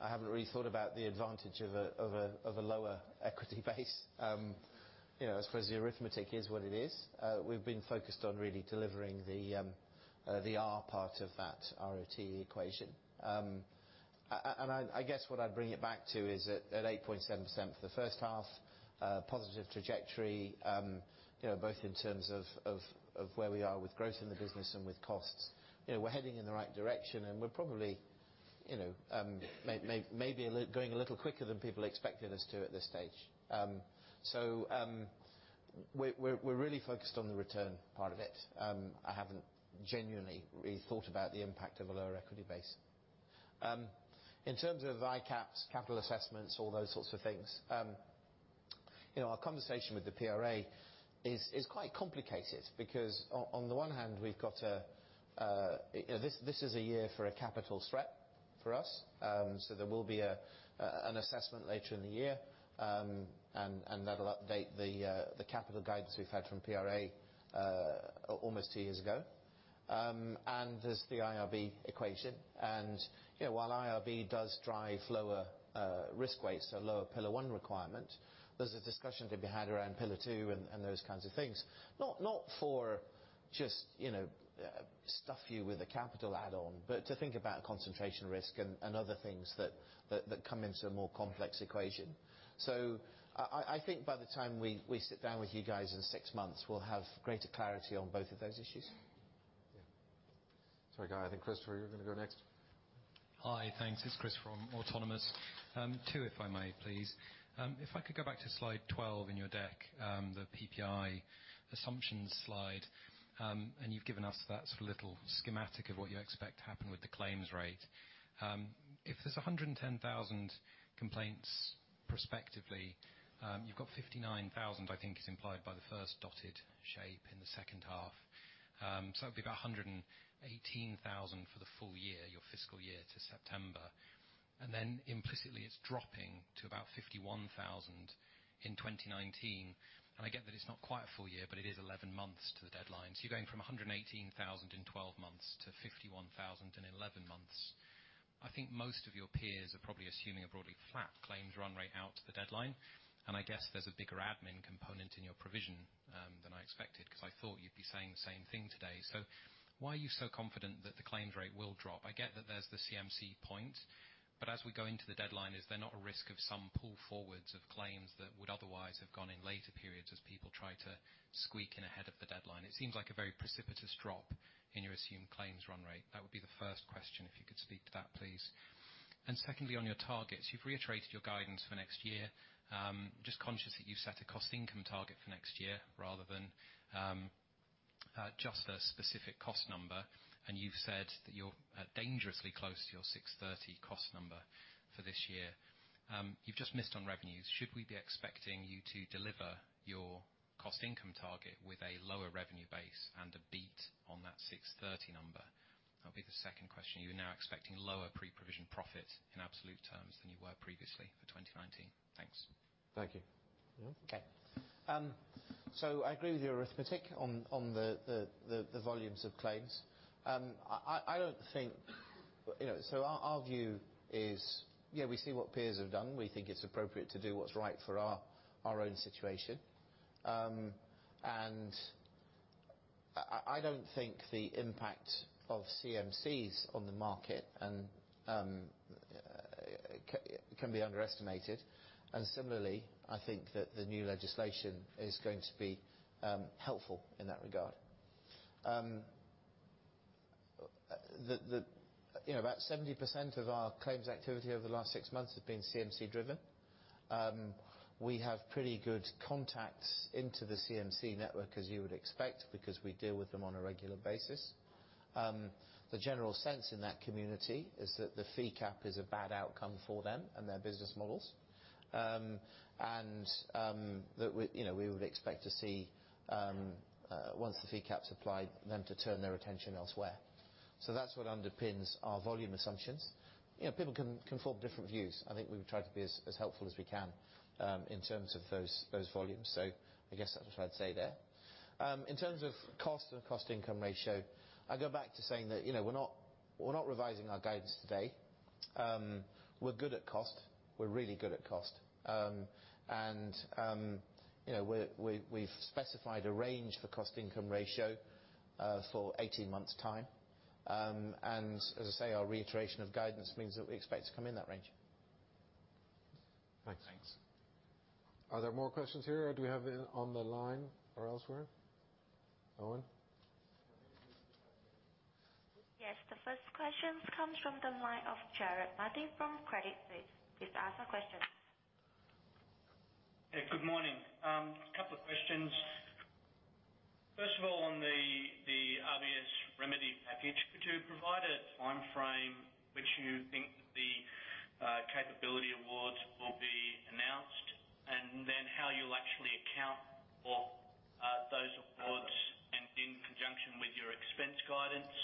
I haven't really thought about the advantage of a lower equity base. I suppose the arithmetic is what it is. We've been focused on really delivering the R part of that ROTE equation. I guess what I'd bring it back to is at 8.7% for the first half, a positive trajectory both in terms of where we are with growth in the business and with costs. We're heading in the right direction, we're probably maybe going a little quicker than people expected us to at this stage. We're really focused on the return part of it. I haven't genuinely really thought about the impact of a lower equity base. In terms of ICAAP's capital assessments, all those sorts of things, our conversation with the PRA is quite complicated because on the one hand, this is a year for a capital threat for us. There will be an assessment later in the year, and that'll update the capital guidance we've had from PRA almost two years ago. There's the IRB equation. While IRB does drive lower risk weights or lower Pillar 1 requirement, there's a discussion to be had around Pillar 2 and those kinds of things. Not for just stuff you with a capital add-on, but to think about concentration risk and other things that come into a more complex equation. I think by the time we sit down with you guys in six months, we'll have greater clarity on both of those issues. Yeah. Sorry, Guy. I think Christopher, you're going to go next. Hi. Thanks. It's Chris from Autonomous. Two, if I may, please. If I could go back to slide 12 in your deck, the PPI assumptions slide, you've given us that little schematic of what you expect to happen with the claims rate. If there's 110,000 complaints prospectively, you've got 59,000, I think is implied by the first dotted shape in the second half. It'll be about 118,000 for the full year, your fiscal year to September. Then implicitly, it's dropping to about 51,000 in 2019. I get that it's not quite a full year, but it is 11 months to the deadline. You're going from 118,000 in 12 months to 51,000 in 11 months. I think most of your peers are probably assuming a broadly flat claims run rate out to the deadline, I guess there's a bigger admin component in your provision than I expected because I thought you'd be saying the same thing today. Why are you so confident that the claims rate will drop? I get that there's the CMC point, as we go into the deadline, is there not a risk of some pull forwards of claims that would otherwise have gone in later periods as people try to squeak in ahead of the deadline? It seems like a very precipitous drop in your assumed claims run rate. That would be the first question, if you could speak to that, please. Secondly, on your targets, you've reiterated your guidance for next year. Just conscious that you've set a cost income target for next year rather than just a specific cost number, you've said that you're dangerously close to your 630 cost number for this year. You've just missed on revenues. Should we be expecting you to deliver your cost income target with a lower revenue base and a beat on that 630 number? That'll be the second question. You're now expecting lower pre-provision profit in absolute terms than you were previously for 2019. Thanks. Thank you. Neil? Okay. I agree with your arithmetic on the volumes of claims. Our view is we see what peers have done. We think it's appropriate to do what's right for our own situation. I don't think the impact of CMCs on the market can be underestimated. Similarly, I think that the new legislation is going to be helpful in that regard. About 70% of our claims activity over the last six months has been CMC driven. We have pretty good contacts into the CMC network, as you would expect, because we deal with them on a regular basis. The general sense in that community is that the fee cap is a bad outcome for them and their business models. We would expect to see, once the fee cap's applied, them to turn their attention elsewhere. That's what underpins our volume assumptions. People can form different views. I think we've tried to be as helpful as we can, in terms of those volumes. I guess that's what I'd say there. In terms of cost and cost income ratio, I go back to saying that we're not revising our guidance today. We're good at cost. We're really good at cost. We've specified a range for cost income ratio, for 18 months' time. As I say, our reiteration of guidance means that we expect to come in that range. Thanks. Thanks. Are there more questions here, or do we have any on the line or elsewhere? Owen? Yes, the first question comes from the line of Jarrod Martin from Credit Suisse. Please ask your question. Hey, good morning. Couple of questions. First of all, on the RBS remedy package, could you provide a timeframe which you think that the capability awards will be announced, and then how you will actually account for those awards and in conjunction with your expense guidance?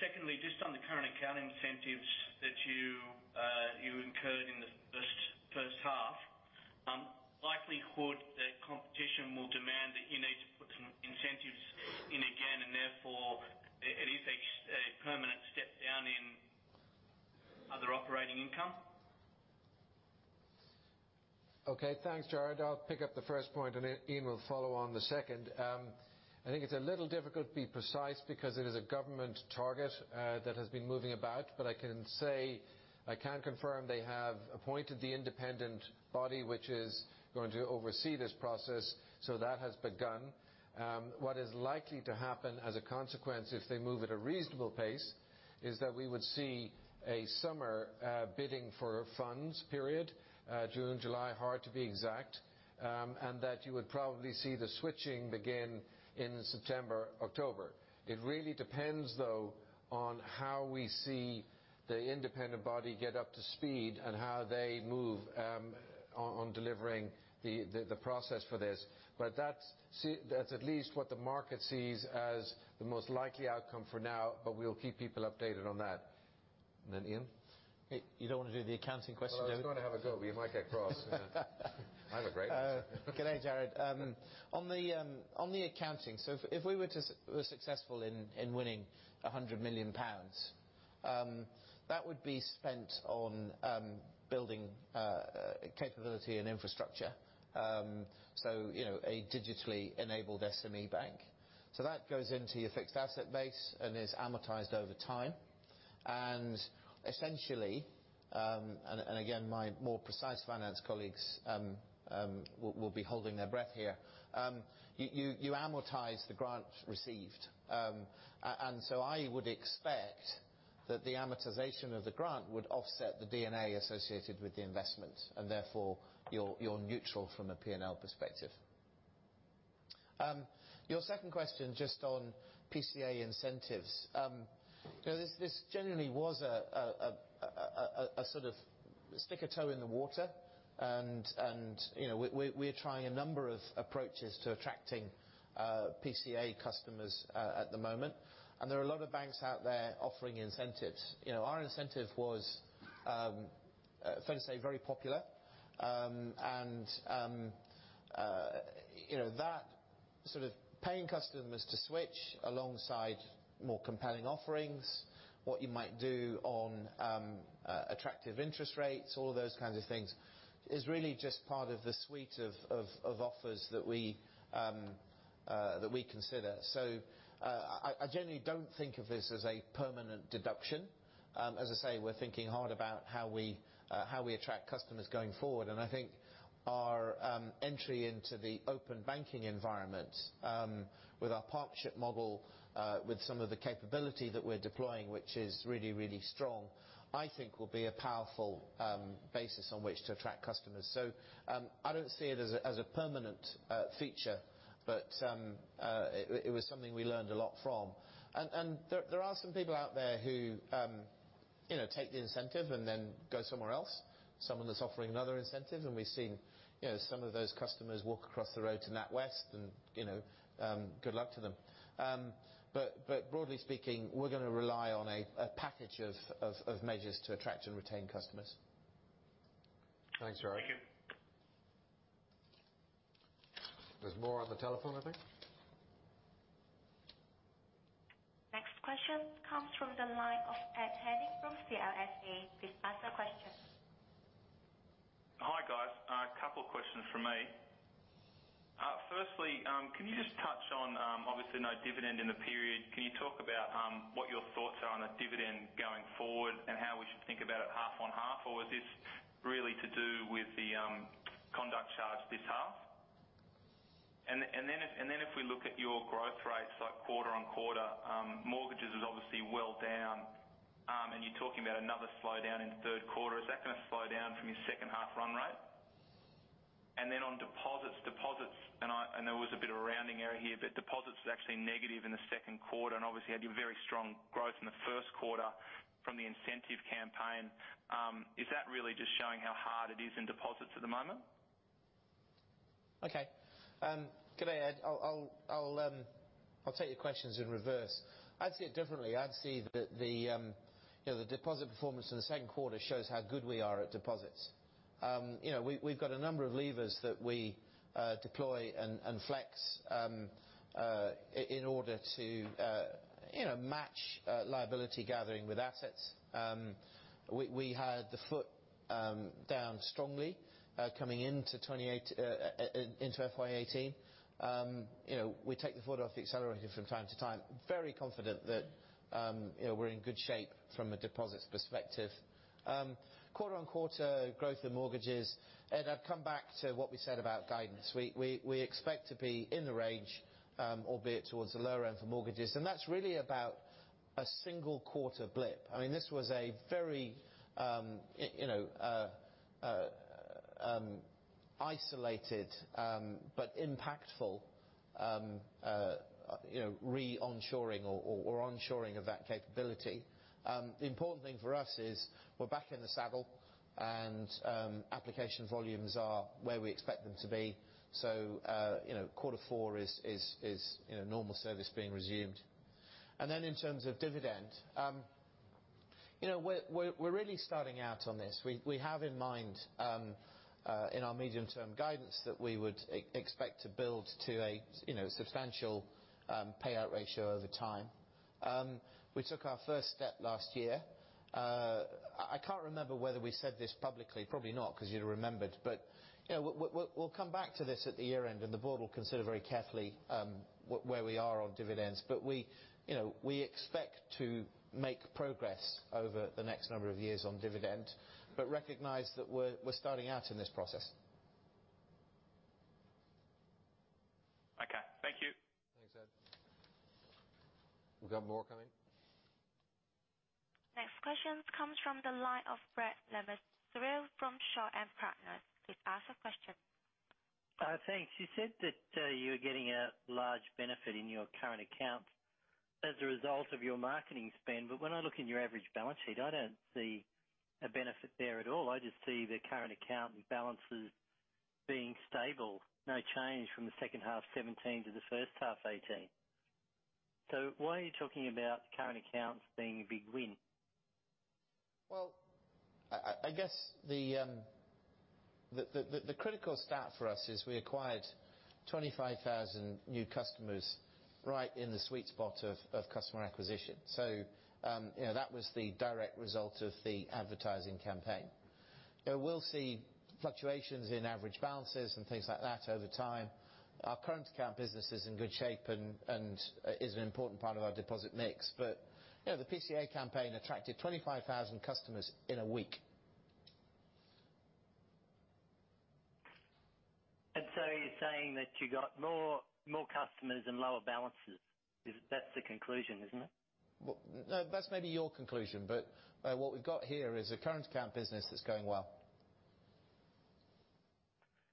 Secondly, just on the current account incentives that you incurred in the first half, likelihood that competition will demand that you need to put some incentives in again, and therefore it is a permanent step down in other operating income? Okay. Thanks, Jarrod. I will pick up the first point, and Ian will follow on the second. I think it is a little difficult to be precise because it is a government target that has been moving about, but I can confirm they have appointed the independent body which is going to oversee this process. That has begun. What is likely to happen as a consequence if they move at a reasonable pace, is that we would see a summer bidding for funds period, June, July, hard to be exact. You would probably see the switching begin in September, October. It really depends, though, on how we see the independent body get up to speed and how they move on delivering the process for this. That is at least what the market sees as the most likely outcome for now, but we will keep people updated on that. Ian? You don't want to do the accounting question? Well, I was going to have a go, but you might get cross. Have a great. G'day, Jarrod. On the accounting, if we were successful in winning 100 million pounds, that would be spent on building capability and infrastructure, a digitally enabled SME bank. That goes into your fixed asset base and is amortized over time. Essentially, and again, my more precise finance colleagues will be holding their breath here. You amortize the grant received. I would expect that the amortization of the grant would offset the D&A associated with the investment, and therefore you're neutral from a P&L perspective. Your second question, just on PCA incentives. This generally was a sort of stick a toe in the water, and we're trying a number of approaches to attracting PCA customers at the moment. There are a lot of banks out there offering incentives. Our incentive was, fair to say, very popular. That sort of paying customers to switch alongside more compelling offerings, what you might do on attractive interest rates, all of those kinds of things, is really just part of the suite of offers that we consider. I generally don't think of this as a permanent deduction. As I say, we're thinking hard about how we attract customers going forward. I think our entry into the Open Banking environment, with our partnership model, with some of the capability that we're deploying, which is really, really strong, I think will be a powerful basis on which to attract customers. I don't see it as a permanent feature, but it was something we learned a lot from. There are some people out there who take the incentive and then go somewhere else, someone that's offering another incentive. We've seen some of those customers walk across the road to NatWest and good luck to them. Broadly speaking, we're going to rely on a package of measures to attract and retain customers. Thanks, Jarrod. Thank you. There's more on the telephone, I think. Next question comes from the line of Ed Henning from CLSA. Please ask your question. Hi, guys. A couple questions from me. Firstly, can you just touch on, obviously no dividend in the period. Can you talk about what your thoughts are on a dividend going forward and how we should think about it half on half, or is this really to do with the conduct charge this half? If we look at your growth rates, like quarter-on-quarter, mortgages is obviously well down. You're talking about another slowdown in the third quarter. Is that going to slow down from your second half run rate? On deposits. Deposits, I know there was a bit of a rounding error here, but deposits was actually negative in the second quarter, obviously had a very strong growth in the first quarter from the incentive campaign. Is that really just showing how hard it is in deposits at the moment? Okay. G'day, Ed. I'll take your questions in reverse. I'd see it differently. I'd see that the deposit performance in the second quarter shows how good we are at deposits. We've got a number of levers that we deploy and flex in order to match liability gathering with assets. We had the foot down strongly coming into FY 2018. We take the foot off the accelerator from time to time, very confident that we're in good shape from a deposits perspective. Quarter-on-quarter growth in mortgages, Ed, I'd come back to what we said about guidance. We expect to be in the range, albeit towards the lower end for mortgages. That's really about a single quarter blip. This was a very isolated but impactful re-onshoring or onshoring of that capability. The important thing for us is we're back in the saddle and application volumes are where we expect them to be, so quarter four is normal service being resumed. In terms of dividend, we're really starting out on this. We have in mind, in our medium-term guidance, that we would expect to build to a substantial payout ratio over time. We took our first step last year. I can't remember whether we said this publicly, probably not, because you'd have remembered. We'll come back to this at the year-end, and the board will consider very carefully where we are on dividends. We expect to make progress over the next number of years on dividend, but recognize that we're starting out in this process. Okay. Thank you. Thanks, Ed. We've got more coming. Next question comes from the line of Brad Levis, from Shaw and Partners. Please ask a question. Thanks. You said that you were getting a large benefit in your current account as a result of your marketing spend, when I look in your average balance sheet, I don't see a benefit there at all. I just see the current account balances being stable. No change from the second half 2017 to the first half 2018. Why are you talking about current accounts being a big win? Well, I guess the critical stat for us is we acquired 25,000 new customers right in the sweet spot of customer acquisition. That was the direct result of the advertising campaign. We'll see fluctuations in average balances and things like that over time. Our current account business is in good shape and is an important part of our deposit mix. The PCA campaign attracted 25,000 customers in a week. You're saying that you got more customers and lower balances. That's the conclusion, isn't it? Well, no, that's maybe your conclusion. What we've got here is a current account business that's going well.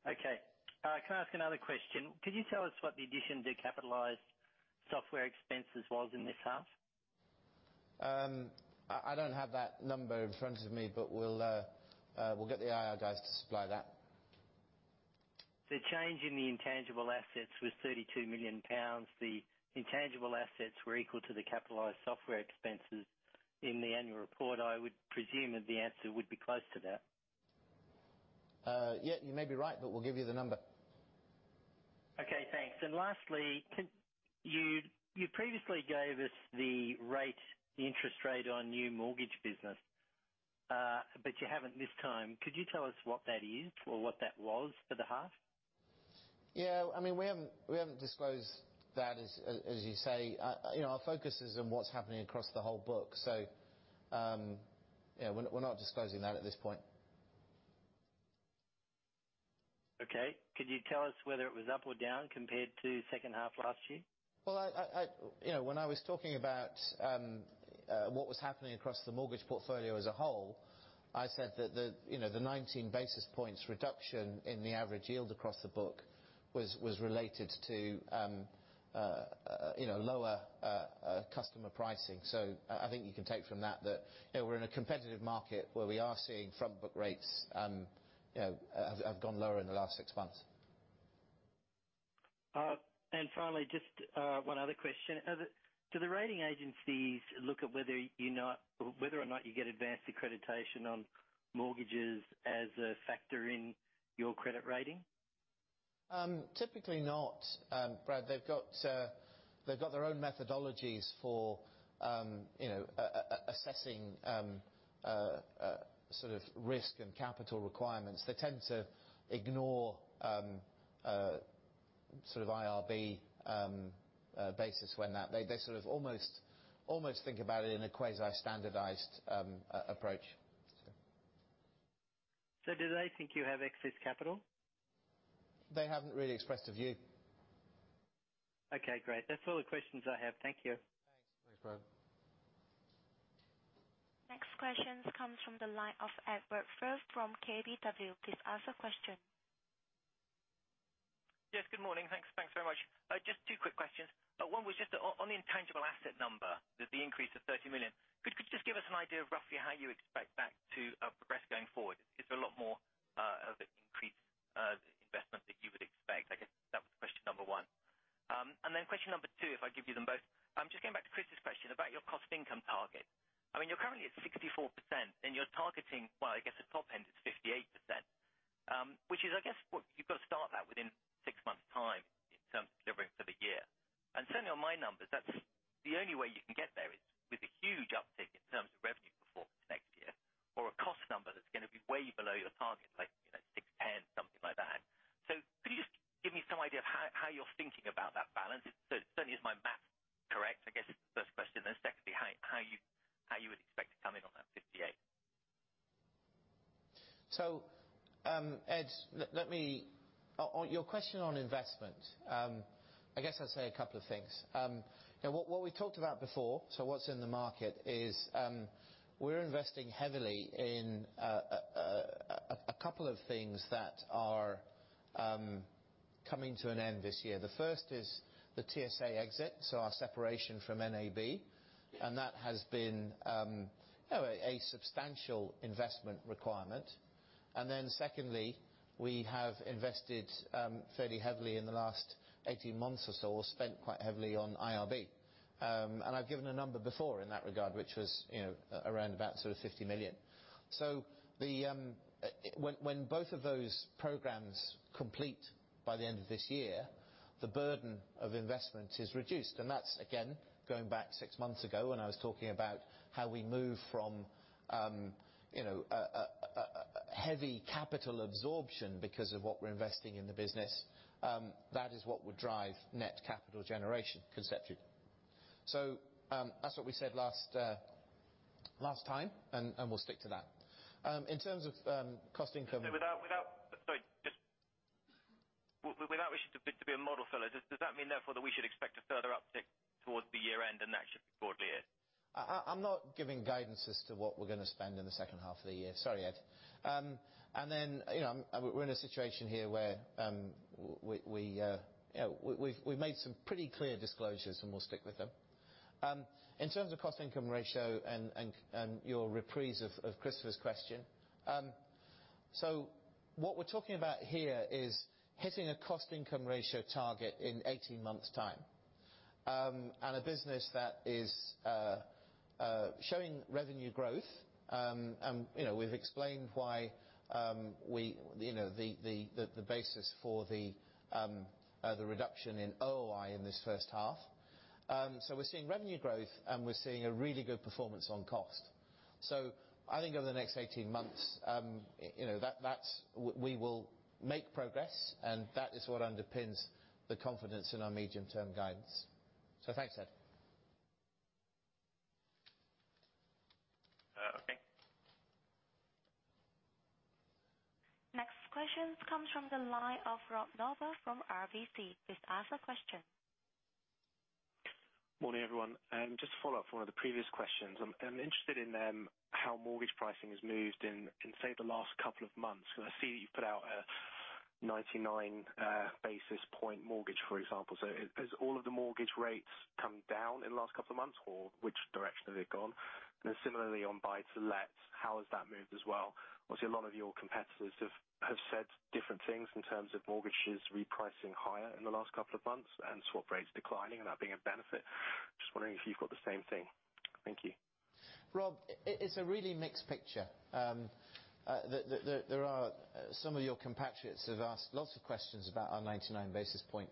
Okay. Can I ask another question? Could you tell us what the addition to capitalized software expenses was in this half? I don't have that number in front of me, we'll get the IR guys to supply that. The change in the intangible assets was 32 million pounds. The intangible assets were equal to the capitalized software expenses in the annual report. I would presume that the answer would be close to that. Yeah, you may be right, we'll give you the number. Okay, thanks. Lastly, you previously gave us the interest rate on new mortgage business, you haven't this time. Could you tell us what that is or what that was for the half? We haven't disclosed that, as you say. Our focus is on what's happening across the whole book. We're not disclosing that at this point. Okay. Could you tell us whether it was up or down compared to second half last year? Well, when I was talking about what was happening across the mortgage portfolio as a whole, I said that the 19 basis points reduction in the average yield across the book was related to lower customer pricing. I think you can take from that that we're in a competitive market where we are seeing front book rates have gone lower in the last six months. Finally, just one other question. Do the rating agencies look at whether or not you get advanced accreditation on mortgages as a factor in your credit rating? Typically not, Brad. They've got their own methodologies for assessing risk and capital requirements. They tend to ignore IRB basis. They sort of almost think about it in a quasi-standardized approach. Do they think you have excess capital? They haven't really expressed a view. Okay, great. That's all the questions I have. Thank you. Thanks. Thanks, Brad. Next questions comes from the line of Edward Firth from KBW. Please ask a question. Yes, good morning. Thanks very much. Just two quick questions. One was just on the intangible asset number, the increase of 30 million. Could you just give us an idea of roughly how you expect that to progress going forward? Is there a lot more of an increased investment that you would expect? I guess that was question number one. Then question number two, if I give you them both. Just going back to Chris's question about your cost income target. You're currently at 64%, and you're targeting, well, I guess the top end is 58%, which is, I guess what you've got to start that within 6 months' time in terms of delivering for the year. Certainly on my numbers, the only way you can get there is with a huge uptick in terms of revenue performance next year or a cost number that's going to be way below your target, like 610, something like that. Could you just give me some idea of how you're thinking about that balance? Certainly, is my math correct, I guess is the first question. Then secondly, how you would expect to come in on that 58. Ed, on your question on investment. I guess I'll say a couple of things. What we talked about before, what's in the market is, we're investing heavily in a couple of things that are coming to an end this year. The first is the TSA exit, our separation from NAB. That has been a substantial investment requirement. Secondly, we have invested fairly heavily in the last 18 months or so, or spent quite heavily on IRB. I've given a number before in that regard, which was around about 50 million. When both of those programs complete by the end of this year, the burden of investment is reduced. That's, again, going back six months ago when I was talking about how we move from a heavy capital absorption because of what we're investing in the business. That is what would drive net capital generation conceptually. That's what we said last time, and we'll stick to that. In terms of cost income- Sorry, without wishing to be a model fellow, does that mean therefore that we should expect a further uptick towards the year end and that should be broadly it? I'm not giving guidance as to what we're going to spend in the second half of the year. Sorry, Ed. We're in a situation here where we've made some pretty clear disclosures, and we'll stick with them. In terms of cost income ratio and your reprise of Christopher's question. What we're talking about here is hitting a cost income ratio target in 18 months' time. A business that is showing revenue growth. We've explained the basis for the reduction in OOI in this first half. We're seeing revenue growth, we're seeing a really good performance on cost. I think over the next 18 months, we will make progress, and that is what underpins the confidence in our medium-term guidance. Thanks, Ed. Okay. Next questions comes from the line of Rob Noble from RBC. Please ask a question. Morning, everyone. Just to follow up from one of the previous questions. I'm interested in how mortgage pricing has moved in, say, the last couple of months. I see that you've put out a 99 basis point mortgage, for example. Has all of the mortgage rates come down in the last couple of months, or which direction have they gone? Similarly on buy-to-lets, how has that moved as well? Obviously, a lot of your competitors have said different things in terms of mortgages repricing higher in the last couple of months and swap rates declining and that being a benefit. Just wondering if you've got the same thing. Thank you. Rob, it's a really mixed picture. Some of your compatriots have asked lots of questions about our 99 basis point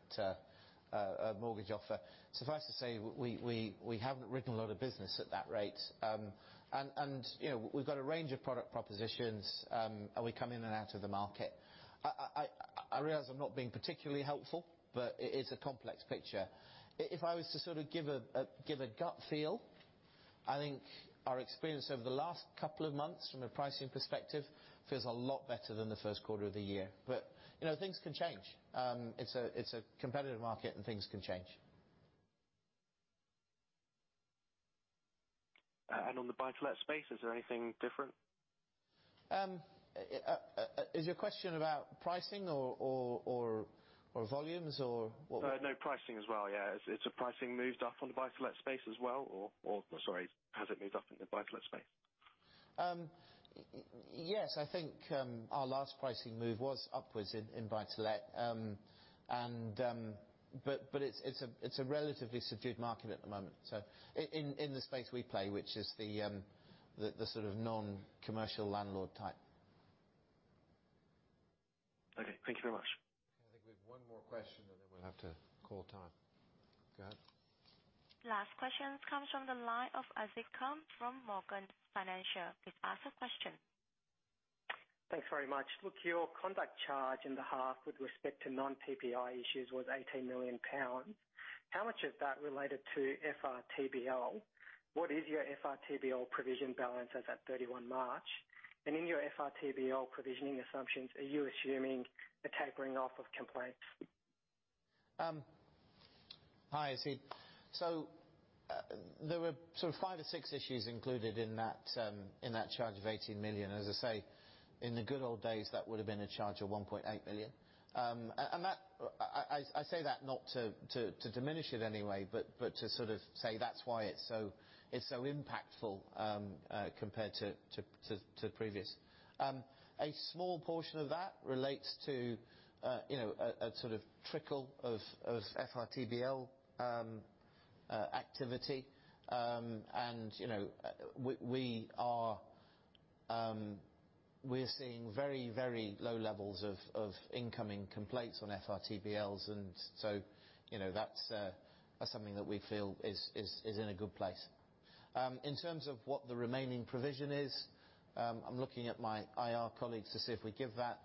mortgage offer. Suffice to say, we haven't written a lot of business at that rate. We've got a range of product propositions, and we come in and out of the market. I realize I'm not being particularly helpful, but it is a complex picture. If I was to sort of give a gut feel, I think our experience over the last couple of months from a pricing perspective feels a lot better than the first quarter of the year. Things can change. It's a competitive market and things can change. On the buy-to-let space, is there anything different? Is your question about pricing or volumes? No, pricing as well, yeah. Has the pricing moved up on the buy-to-let space as well? Sorry, has it moved up in the buy-to-let space? Yes, I think our last pricing move was upwards in buy-to-let. It's a relatively subdued market at the moment, in the space we play, which is the sort of non-commercial landlord type. Okay. Thank you very much. I think we have one more question, then we'll have to call time. Go ahead. Last questions comes from the line of Asif Khan from Morgan Stanley. Please ask a question. Thanks very much. Look, your conduct charge in the half with respect to non-PPI issues was 18 million pounds. How much of that related to FRTB? What is your FRTB provision balance as at 31 March? In your FRTB provisioning assumptions, are you assuming a tapering off of complaints? Hi, it's Ian. There were sort of five or six issues included in that charge of 18 million. As I say, in the good old days, that would've been a charge of 1.8 million. I say that not to diminish it in any way, but to sort of say that's why it's so impactful compared to previous. A small portion of that relates to a sort of trickle of FRTB activity. We're seeing very, very low levels of incoming complaints on FRTBs. That's something that we feel is in a good place. In terms of what the remaining provision is, I'm looking at my IR colleagues to see if we give that.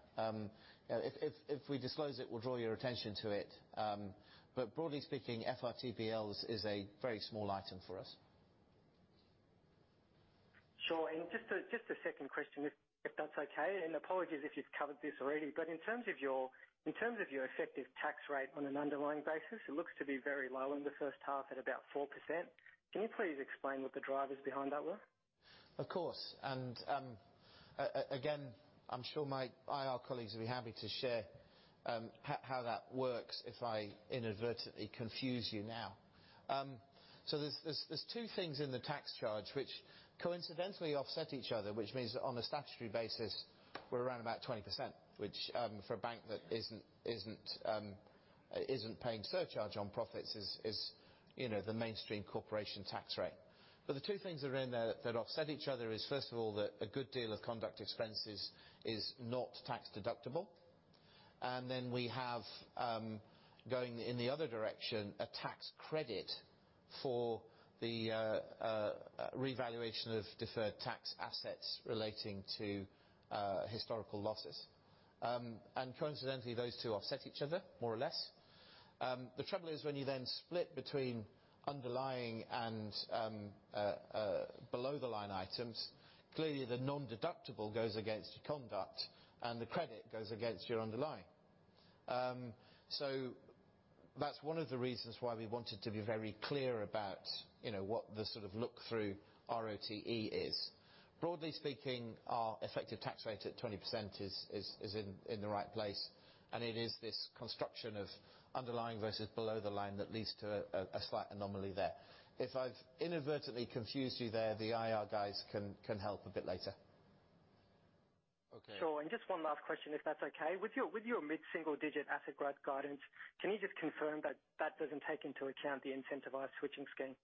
If we disclose it, we'll draw your attention to it. Broadly speaking, FRTBs is a very small item for us. Sure. Just a second question, if that's okay, and apologies if you've covered this already. In terms of your effective tax rate on an underlying basis, it looks to be very low in the first half at about 4%. Can you please explain what the drivers behind that were? Of course. Again, I'm sure my IR colleagues will be happy to share how that works if I inadvertently confuse you now. There's two things in the tax charge which coincidentally offset each other, which means that on a statutory basis we're around about 20%, which for a bank that isn't paying surcharge on profits is the mainstream corporation tax rate. The two things that are in there that offset each other is first of all, that a good deal of conduct expenses is not tax deductible. Then we have, going in the other direction, a tax credit for the revaluation of deferred tax assets relating to historical losses. Coincidentally, those two offset each other more or less. The trouble is when you then split between underlying and below the line items, clearly the nondeductible goes against your conduct and the credit goes against your underlying. That's one of the reasons why we wanted to be very clear about what the sort of look through ROTE is. Broadly speaking, our effective tax rate at 20% is in the right place, it is this construction of underlying versus below the line that leads to a slight anomaly there. If I've inadvertently confused you there, the IR guys can help a bit later. Okay. Sure. Just one last question, if that's okay. With your mid-single digit asset growth guidance, can you just confirm that that doesn't take into account the incentivized switching scheme?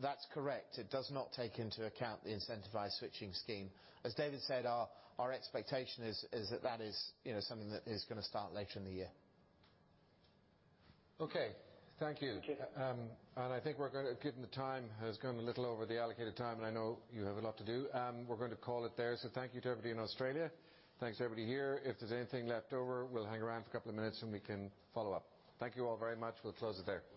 That's correct. It does not take into account the incentivized switching scheme. As David said, our expectation is that that is something that is going to start later in the year. Okay. Thank you. Thank you. I think we're good, given the time has gone a little over the allocated time, and I know you have a lot to do. We're going to call it there. Thank you to everybody in Australia. Thanks everybody here. If there's anything left over, we'll hang around for a couple of minutes and we can follow up. Thank you all very much. We'll close it there.